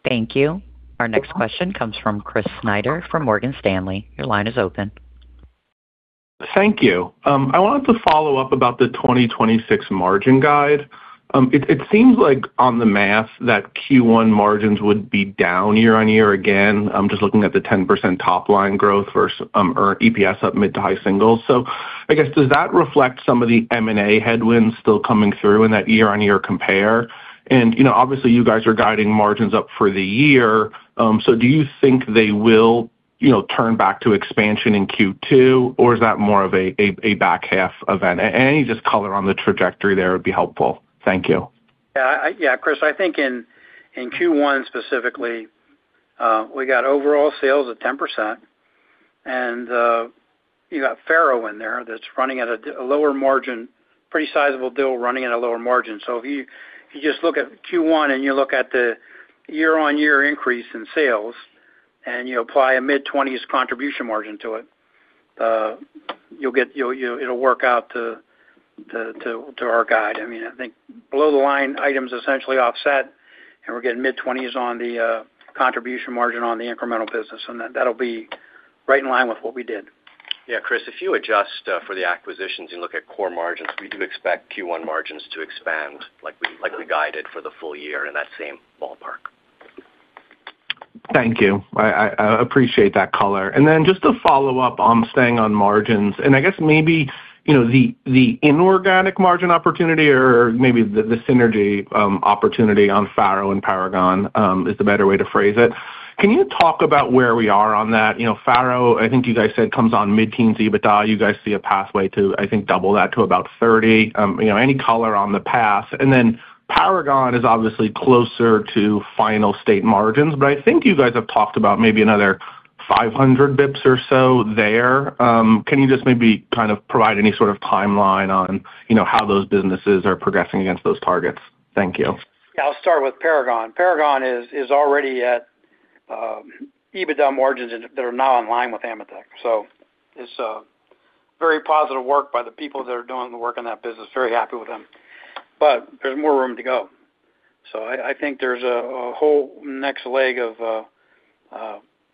Thank you. Our next question comes from Chris Snyder from Morgan Stanley. Your line is open. Thank you. I wanted to follow-up about the 2026 margin guide. It seems like on the math, that Q1 margins would be down year-on-year again. I'm just looking at the 10% top line growth versus or EPS up mid to high singles. So I guess, does that reflect some of the M&A headwinds still coming through in that year-on-year compare? And, you know, obviously, you guys are guiding margins up for the year. So do you think they will, you know, turn back to expansion in Q2, or is that more of a back half event? Any just color on the trajectory there would be helpful. Thank you. Yeah, yeah, Chris, I think in Q1 specifically, we got overall sales of 10%, and you got FARO in there that's running at a lower margin, pretty sizable deal, running at a lower margin. So if you just look at Q1 and you look at the year-on-year increase in sales, and you apply a mid-20s contribution margin to it, you'll get. It'll work out to our guide. I mean, I think below the line, items essentially offset, and we're getting mid-20s on the contribution margin on the incremental business, and that'll be right in line with what we did. Yeah, Chris, if you adjust for the acquisitions and look at core margins, we do expect Q1 margins to expand, like we guided for the full year in that same ballpark. Thank you. I appreciate that color. And then just to follow-up on staying on margins, and I guess maybe, you know, the, the inorganic margin opportunity or maybe the, the synergy opportunity on FARO and Paragon is a better way to phrase it. Can you talk about where we are on that? You know, FARO, I think you guys said, comes on mid-teens EBITDA. You guys see a pathway to, I think, double that to about 30. You know, any color on the path? And then Paragon is obviously closer to final state margins, but I think you guys have talked about maybe another 500 basis points or so there. Can you just maybe kind of provide any sort of timeline on, you know, how those businesses are progressing against those targets? Thank you. Yeah, I'll start with Paragon. Paragon is, is already at EBITDA margins that are now in line with AMETEK. So it's a very positive work by the people that are doing the work in that business, very happy with them. But there's more room to go. So I, I think there's a, a whole next leg of,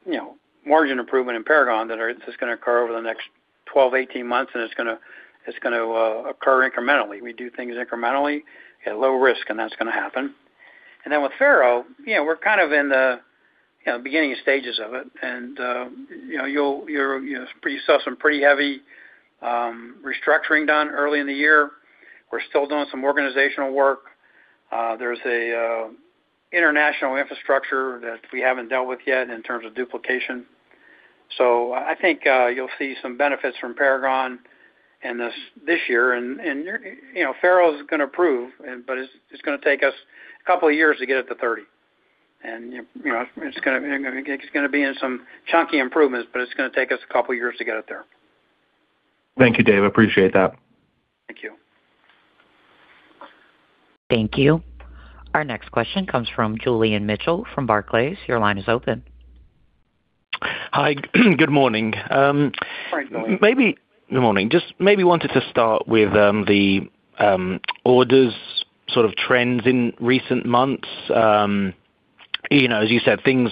you know, margin improvement in Paragon that are just gonna occur over the next 12, 18 months, and it's gonna, it's gonna, occur incrementally. We do things incrementally at low risk, and that's gonna happen. And then with Faro, you know, we're kind of in the, you know, beginning stages of it, and, you know, you'll, you're, you saw some pretty heavy, restructuring done early in the year. We're still doing some organizational work. There's an international infrastructure that we haven't dealt with yet in terms of duplication. So I think you'll see some benefits from Paragon in this year. And you know, Faro is gonna improve, but it's gonna take us a couple of years to get it to 30. And you know, it's gonna be in some chunky improvements, but it's gonna take us a couple of years to get it there. Thank you, Dave. Appreciate that. Thank you. Thank you. Our next question comes from Julian Mitchell from Barclays. Your line is open. Hi, good morning. Good morning. Good morning. Just wanted to start with the orders sort of trends in recent months. You know, as you said, things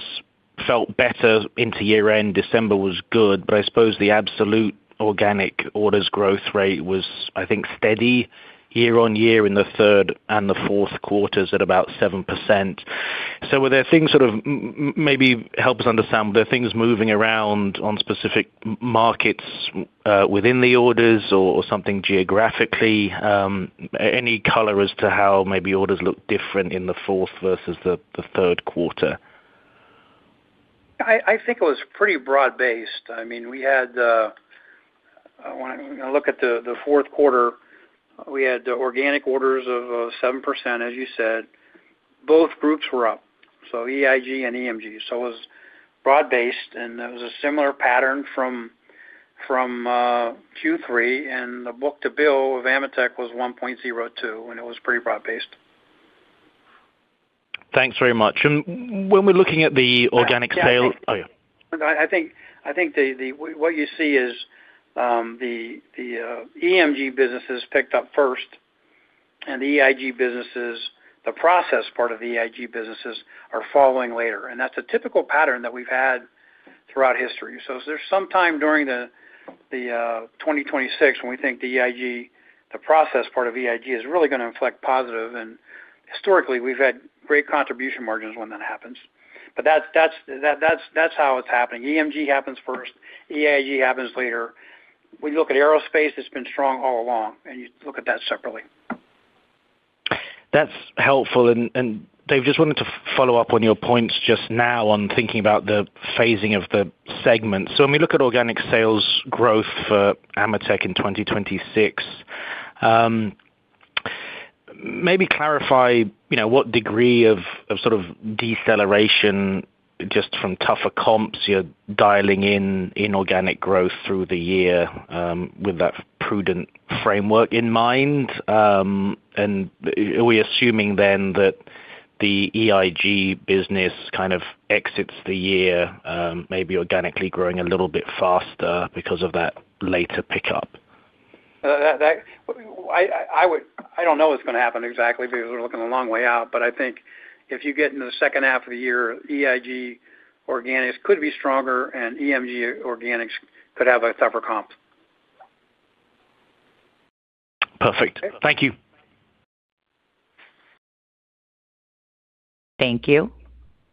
felt better into year-end. December was good, but I suppose the absolute organic orders growth rate was, I think, steady year-on-year in the third and the fourth quarters at about 7%. So were there things sort of maybe help us understand, were there things moving around on specific markets within the orders or something geographically? Any color as to how maybe orders looked different in the fourth versus the third quarter? I think it was pretty broad-based. I mean, we had, when I look at the fourth quarter, we had organic orders of 7%, as you said. Both groups were up, so EIG and EMG, so it was broad-based, and it was a similar pattern from Q3, and the book-to-bill of AMETEK was 1.02, and it was pretty broad-based. Thanks very much. And when we're looking at the organic sale- Yeah. Oh, yeah. I think what you see is the EMG businesses picked up first, and the EIG businesses, the process part of the EIG businesses, are following later, and that's a typical pattern that we've had throughout history. So there's some time during the 2026 when we think the EIG, the process part of EIG is really gonna inflect positive, and historically, we've had great contribution margins when that happens. But that's how it's happening. EMG happens first, EIG happens later. When you look at aerospace, it's been strong all along, and you look at that separately. That's helpful. And Dave, just wanted to follow-up on your points just now on thinking about the phasing of the segments. So when we look at organic sales growth for AMETEK in 2026, maybe clarify, you know, what degree of sort of deceleration, just from tougher comps, you're dialing in organic growth through the year, with that prudent framework in mind? And are we assuming then that the EIG business kind of exits the year, maybe organically growing a little bit faster because of that later pickup? I don't know what's gonna happen exactly because we're looking a long way out, but I think if you get into the second half of the year, EIG organics could be stronger, and EMG organics could have a tougher comp. Perfect. Thank you. Thank you.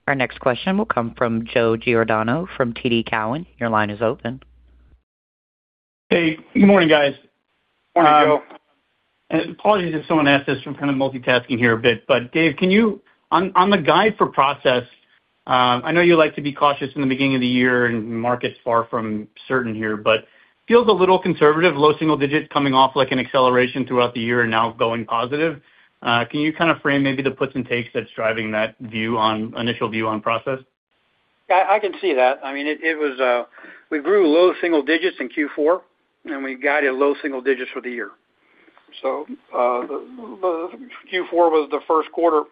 Our next question will come from Joe Giordano from TD Cowen. Your line is open. Hey, good morning, guys. Good morning, Joe. Apologies if someone asked this. I'm kind of multitasking here a bit, but Dave, can you... On the guide for process, I know you like to be cautious in the beginning of the year, and market's far from certain here, but feels a little conservative, low single digits coming off like an acceleration throughout the year and now going positive. Can you kind of frame maybe the puts and takes that's driving that view on initial view on process? I can see that. I mean, it was we grew low single digits in Q4, and we guided low single digits for the year. So, the Q4 was the first quarter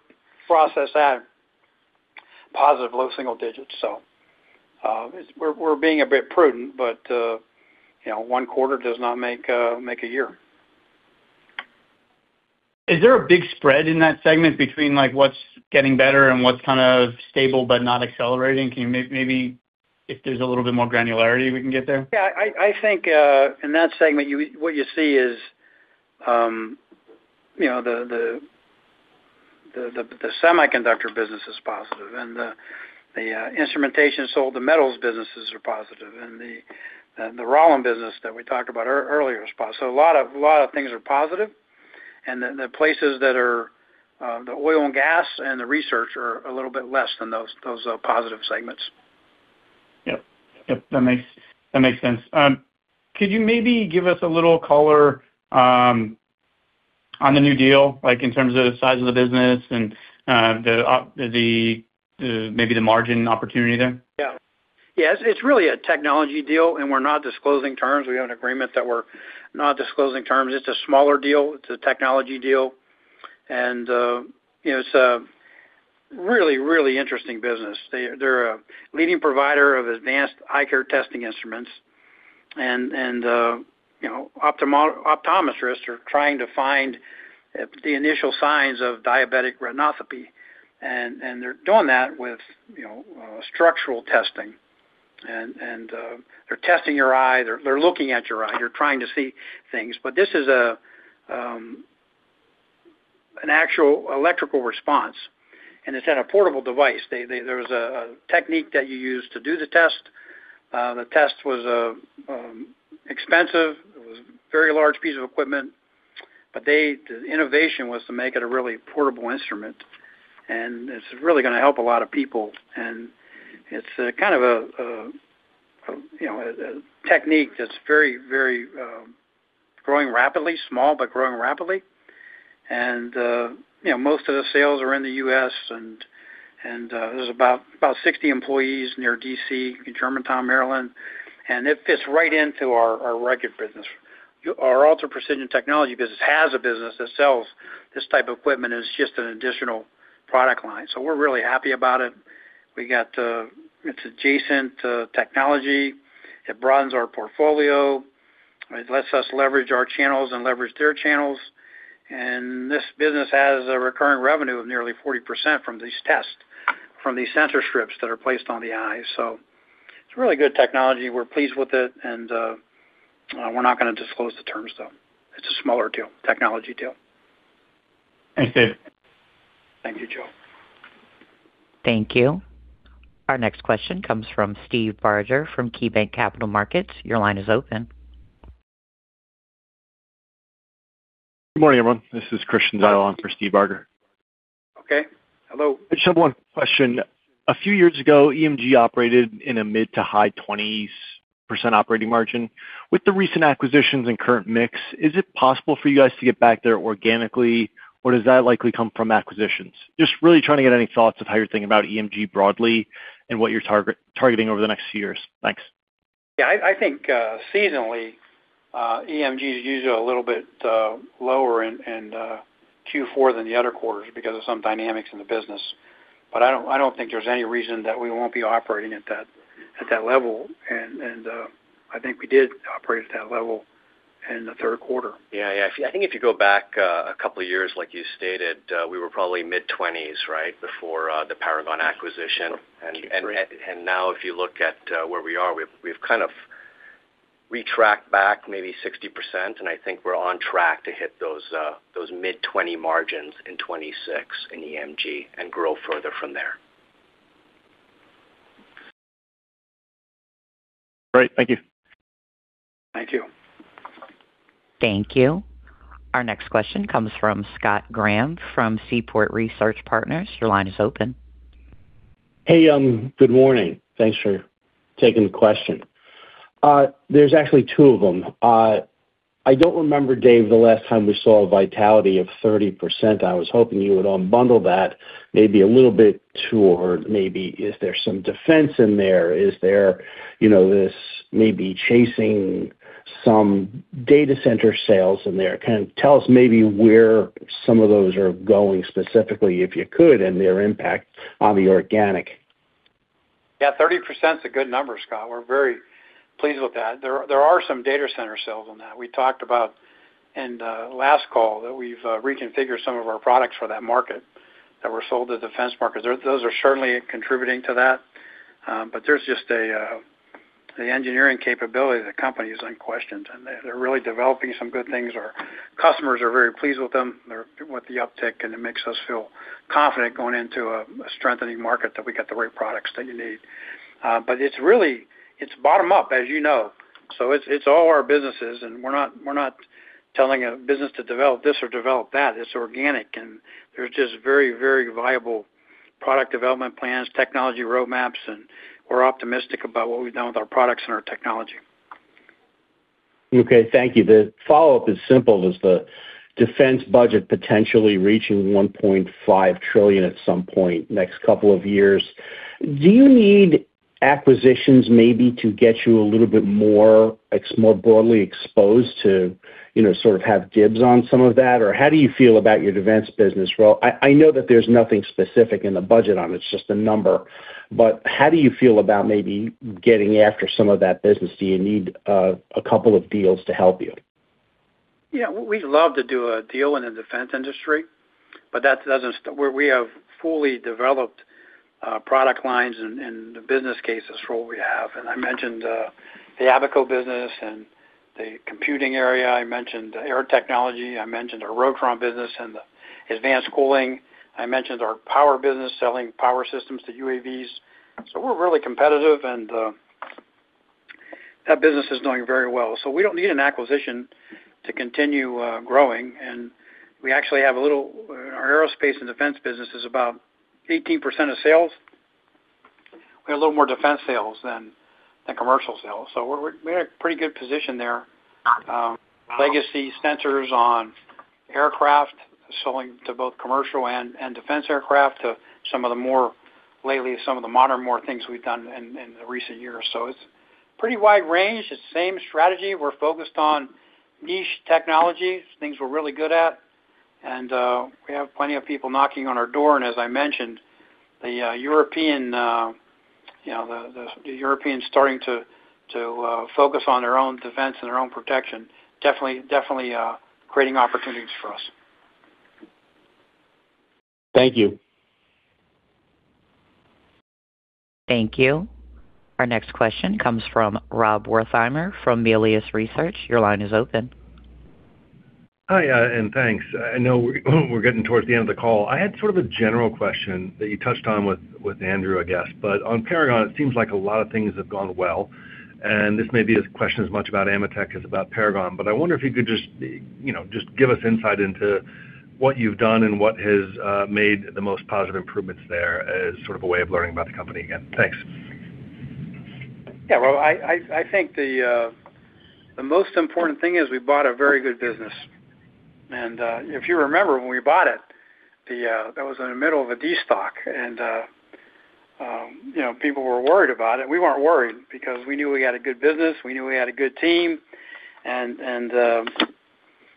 process at positive low single digits. So, it's we're being a bit prudent, but you know, one quarter does not make a year. Is there a big spread in that segment between, like, what's getting better and what's kind of stable but not accelerating? Can you maybe if there's a little bit more granularity we can get there? Yeah, I think in that segment, what you see is, you know, the semiconductor business is positive, and the instrumentation sold to metals businesses are positive, and the Rauland business that we talked about earlier is positive. So a lot of things are positive. And then the places that are the oil and gas and the research are a little bit less than those positive segments. Yep. Yep, that makes, that makes sense. Could you maybe give us a little color on the new deal, like in terms of the size of the business and the margin opportunity there? Yeah. Yes, it's really a technology deal, and we're not disclosing terms. We have an agreement that we're not disclosing terms. It's a smaller deal. It's a technology deal, and you know, it's a really, really interesting business. They're a leading provider of advanced eye care testing instruments, and you know, ophthalmologists are trying to find the initial signs of diabetic retinopathy, and they're doing that with you know, structural testing. And they're testing your eye, they're looking at your eye. They're trying to see things. But this is an actual electrical response, and it's in a portable device. There was a technique that you use to do the test. The test was expensive. It was a very large piece of equipment, but the innovation was to make it a really portable instrument, and it's really gonna help a lot of people. And it's kind of a, you know, a technique that's very, very growing rapidly, small, but growing rapidly. And you know, most of the sales are in the U.S., and there's about 60 employees near D.C., in Germantown, Maryland, and it fits right into our Reichert business. Our Ultra Precision Technology business has a business that sells this type of equipment, and it's just an additional product line. So we're really happy about it. We got, it's adjacent to technology. It broadens our portfolio. It lets us leverage our channels and leverage their channels. This business has a recurring revenue of nearly 40% from these tests, from these sensor strips that are placed on the eyes. So it's really good technology. We're pleased with it, and we're not gonna disclose the terms, though. It's a smaller deal, technology deal. Thank you. Thank you, Joe. Thank you. Our next question comes from Steve Barger from KeyBanc Capital Markets. Your line is open. Good morning, everyone. This is Christian Zijlstra for Steve Barger. Okay. Hello. I just have one question. A few years ago, EMG operated in a mid- to high-20s percent operating margin. With the recent acquisitions and current mix, is it possible for you guys to get back there organically, or does that likely come from acquisitions? Just really trying to get any thoughts of how you're thinking about EMG broadly and what you're target- targeting over the next few years? Thanks. Yeah, I, I think, seasonally, EMG is usually a little bit lower in Q4 than the other quarters because of some dynamics in the business. But I don't, I don't think there's any reason that we won't be operating at that level, and I think we did operate at that level in the third quarter. Yeah. Yeah, I think if you go back a couple of years, like you stated, we were probably mid-20s, right, before the Paragon acquisition. And now, if you look at where we are, we've kind of retracked back maybe 60%, and I think we're on track to hit those mid-20% margins in 2026 in EMG and grow further from there. Great. Thank you. Thank you. Thank you. Our next question comes from Scott Graham from Seaport Research Partners. Your line is open. Hey, good morning. Thanks for taking the question. There's actually two of them. I don't remember, Dave, the last time we saw a vitality of 30%. I was hoping you would unbundle that maybe a little bit to or maybe is there some defense in there? Is there, you know, this maybe chasing some data center sales in there? Kind of tell us maybe where some of those are going, specifically, if you could, and their impact on the organic. Yeah, 30% is a good number, Scott. We're very pleased with that. There are some data center sales on that. We talked about in the last call that we've reconfigured some of our products for that market that were sold to the defense market. Those are certainly contributing to that, but there's just an engineering capability of the company is unquestioned, and they're really developing some good things. Our customers are very pleased with them, with the uptick, and it makes us feel confident going into a strengthening market that we got the right products that you need. But it's really, it's bottom-up, as you know, so it's, it's all our businesses, and we're not, we're not telling a business to develop this or develop that. It's organic, and there's just very, very viable product development plans, technology roadmaps, and we're optimistic about what we've done with our products and our technology. Okay, thank you. The follow-up is simple. With the defense budget potentially reaching $1.5 trillion at some point next couple of years, do you need acquisitions maybe to get you a little bit more, it's more broadly exposed to, you know, sort of have dibs on some of that? Or how do you feel about your defense business role? I, I know that there's nothing specific in the budget on it, it's just a number. But how do you feel about maybe getting after some of that business? Do you need a couple of deals to help you? Yeah, we'd love to do a deal in the defense industry, but that doesn't stop—we, we have fully developed product lines and the business cases for what we have. And I mentioned the Abaco business and the computing area. I mentioned the air technology. I mentioned our Rotron business and the advanced cooling. I mentioned our power business, selling power systems to UAVs. So we're really competitive, and... That business is doing very well, so we don't need an acquisition to continue growing. And we actually have a Aerospace & Defense business is about 18% of sales. We have a little more defense sales than commercial sales, so we're in a pretty good position there. Legacy sensors on aircraft, selling to both commercial and defense aircraft, to some of the more lately, some of the modern, more things we've done in the recent years. So it's pretty wide range. It's the same strategy. We're focused on niche technologies, things we're really good at, and we have plenty of people knocking on our door. And as I mentioned, the European, you know, the European starting to focus on their own defense and their own protection, definitely, definitely creating opportunities for us. Thank you. Thank you. Our next question comes from Rob Wertheimer from Melius Research. Your line is open. Hi, and thanks. I know we're getting towards the end of the call. I had sort of a general question that you touched on with Andrew, I guess, but on Paragon, it seems like a lot of things have gone well, and this may be a question as much about AMETEK as about Paragon, but I wonder if you could just, you know, give us insight into what you've done and what has made the most positive improvements there as sort of a way of learning about the company again. Thanks. Yeah, well, I think the most important thing is we bought a very good business. And, if you remember, when we bought it, that was in the middle of a destock, and, you know, people were worried about it. We weren't worried because we knew we had a good business, we knew we had a good team, and,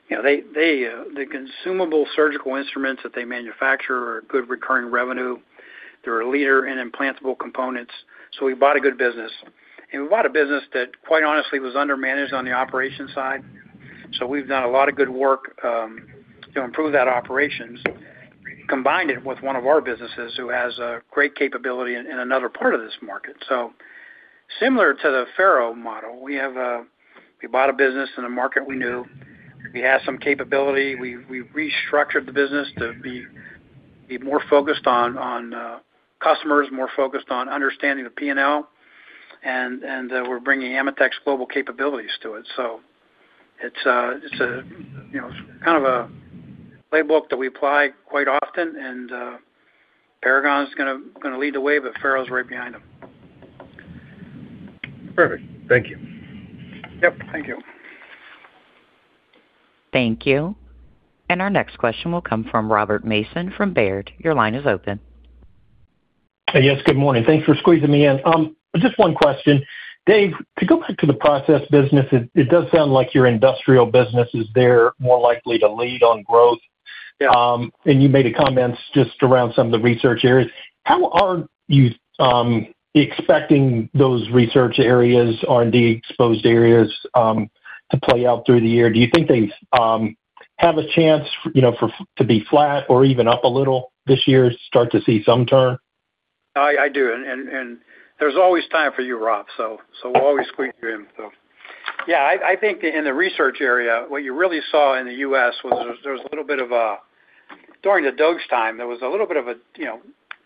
you know, they, the consumable surgical instruments that they manufacture are a good recurring revenue. They're a leader in implantable components. So we bought a good business. And we bought a business that, quite honestly, was undermanaged on the operation side. So we've done a lot of good work, to improve that operations, combined it with one of our businesses, who has a great capability in another part of this market. So similar to the FARO model, we have a—we bought a business in a market we knew. We had some capability. We restructured the business to be more focused on customers, more focused on understanding the P&L, and we're bringing AMETEK's global capabilities to it. So it's a you know, kind of a playbook that we apply quite often, and Paragon's gonna lead the way, but FARO's right behind them. Perfect. Thank you. Yep, thank you. Thank you. Our next question will come from Robert Mason from Baird. Your line is open. Yes, good morning. Thanks for squeezing me in. Just one question. Dave, to go back to the process business, it does sound like your industrial business is there more likely to lead on growth. Yeah. You made a comments just around some of the research areas. How are you expecting those research areas, R&D exposed areas, to play out through the year? Do you think they have a chance, you know, to be flat or even up a little this year, start to see some turn? I do. And there's always time for you, Rob, so we'll always squeeze you in. So, yeah, I think in the research area, what you really saw in the U.S. was there was a little bit of a... During the DOE time, there was a little bit of a, you know,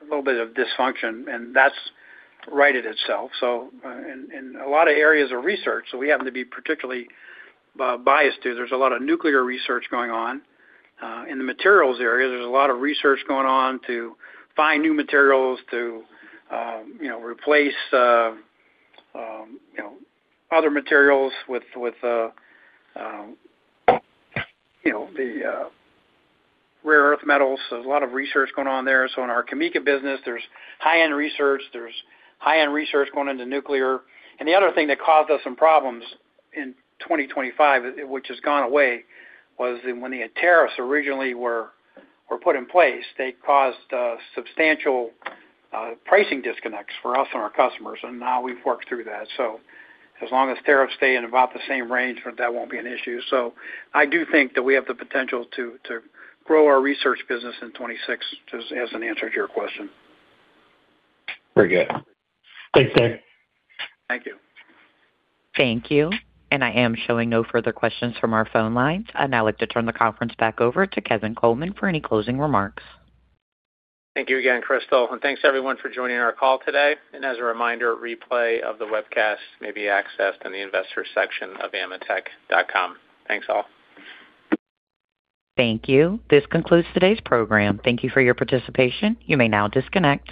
little bit of dysfunction, and that's righted itself. So, in a lot of areas of research, so we happen to be particularly biased to, there's a lot of nuclear research going on. In the materials area, there's a lot of research going on to find new materials to, you know, replace other materials with, you know, the rare earth metals. There's a lot of research going on there. So in our CAMECA business, there's high-end research, there's high-end research going into nuclear. And the other thing that caused us some problems in 2025, which has gone away, was when the tariffs originally were put in place, they caused substantial pricing disconnects for us and our customers, and now we've worked through that. So as long as tariffs stay in about the same range, that won't be an issue. So I do think that we have the potential to grow our research business in 2026, just as an answer to your question. Very good. Thanks, Dave. Thank you. Thank you. I am showing no further questions from our phone lines. I'd now like to turn the conference back over to Kevin Coleman for any closing remarks. Thank you again, Crystal, and thanks, everyone, for joining our call today. As a reminder, a replay of the webcast may be accessed in the investor section of ametek.com. Thanks, all. Thank you. This concludes today's program. Thank you for your participation. You may now disconnect.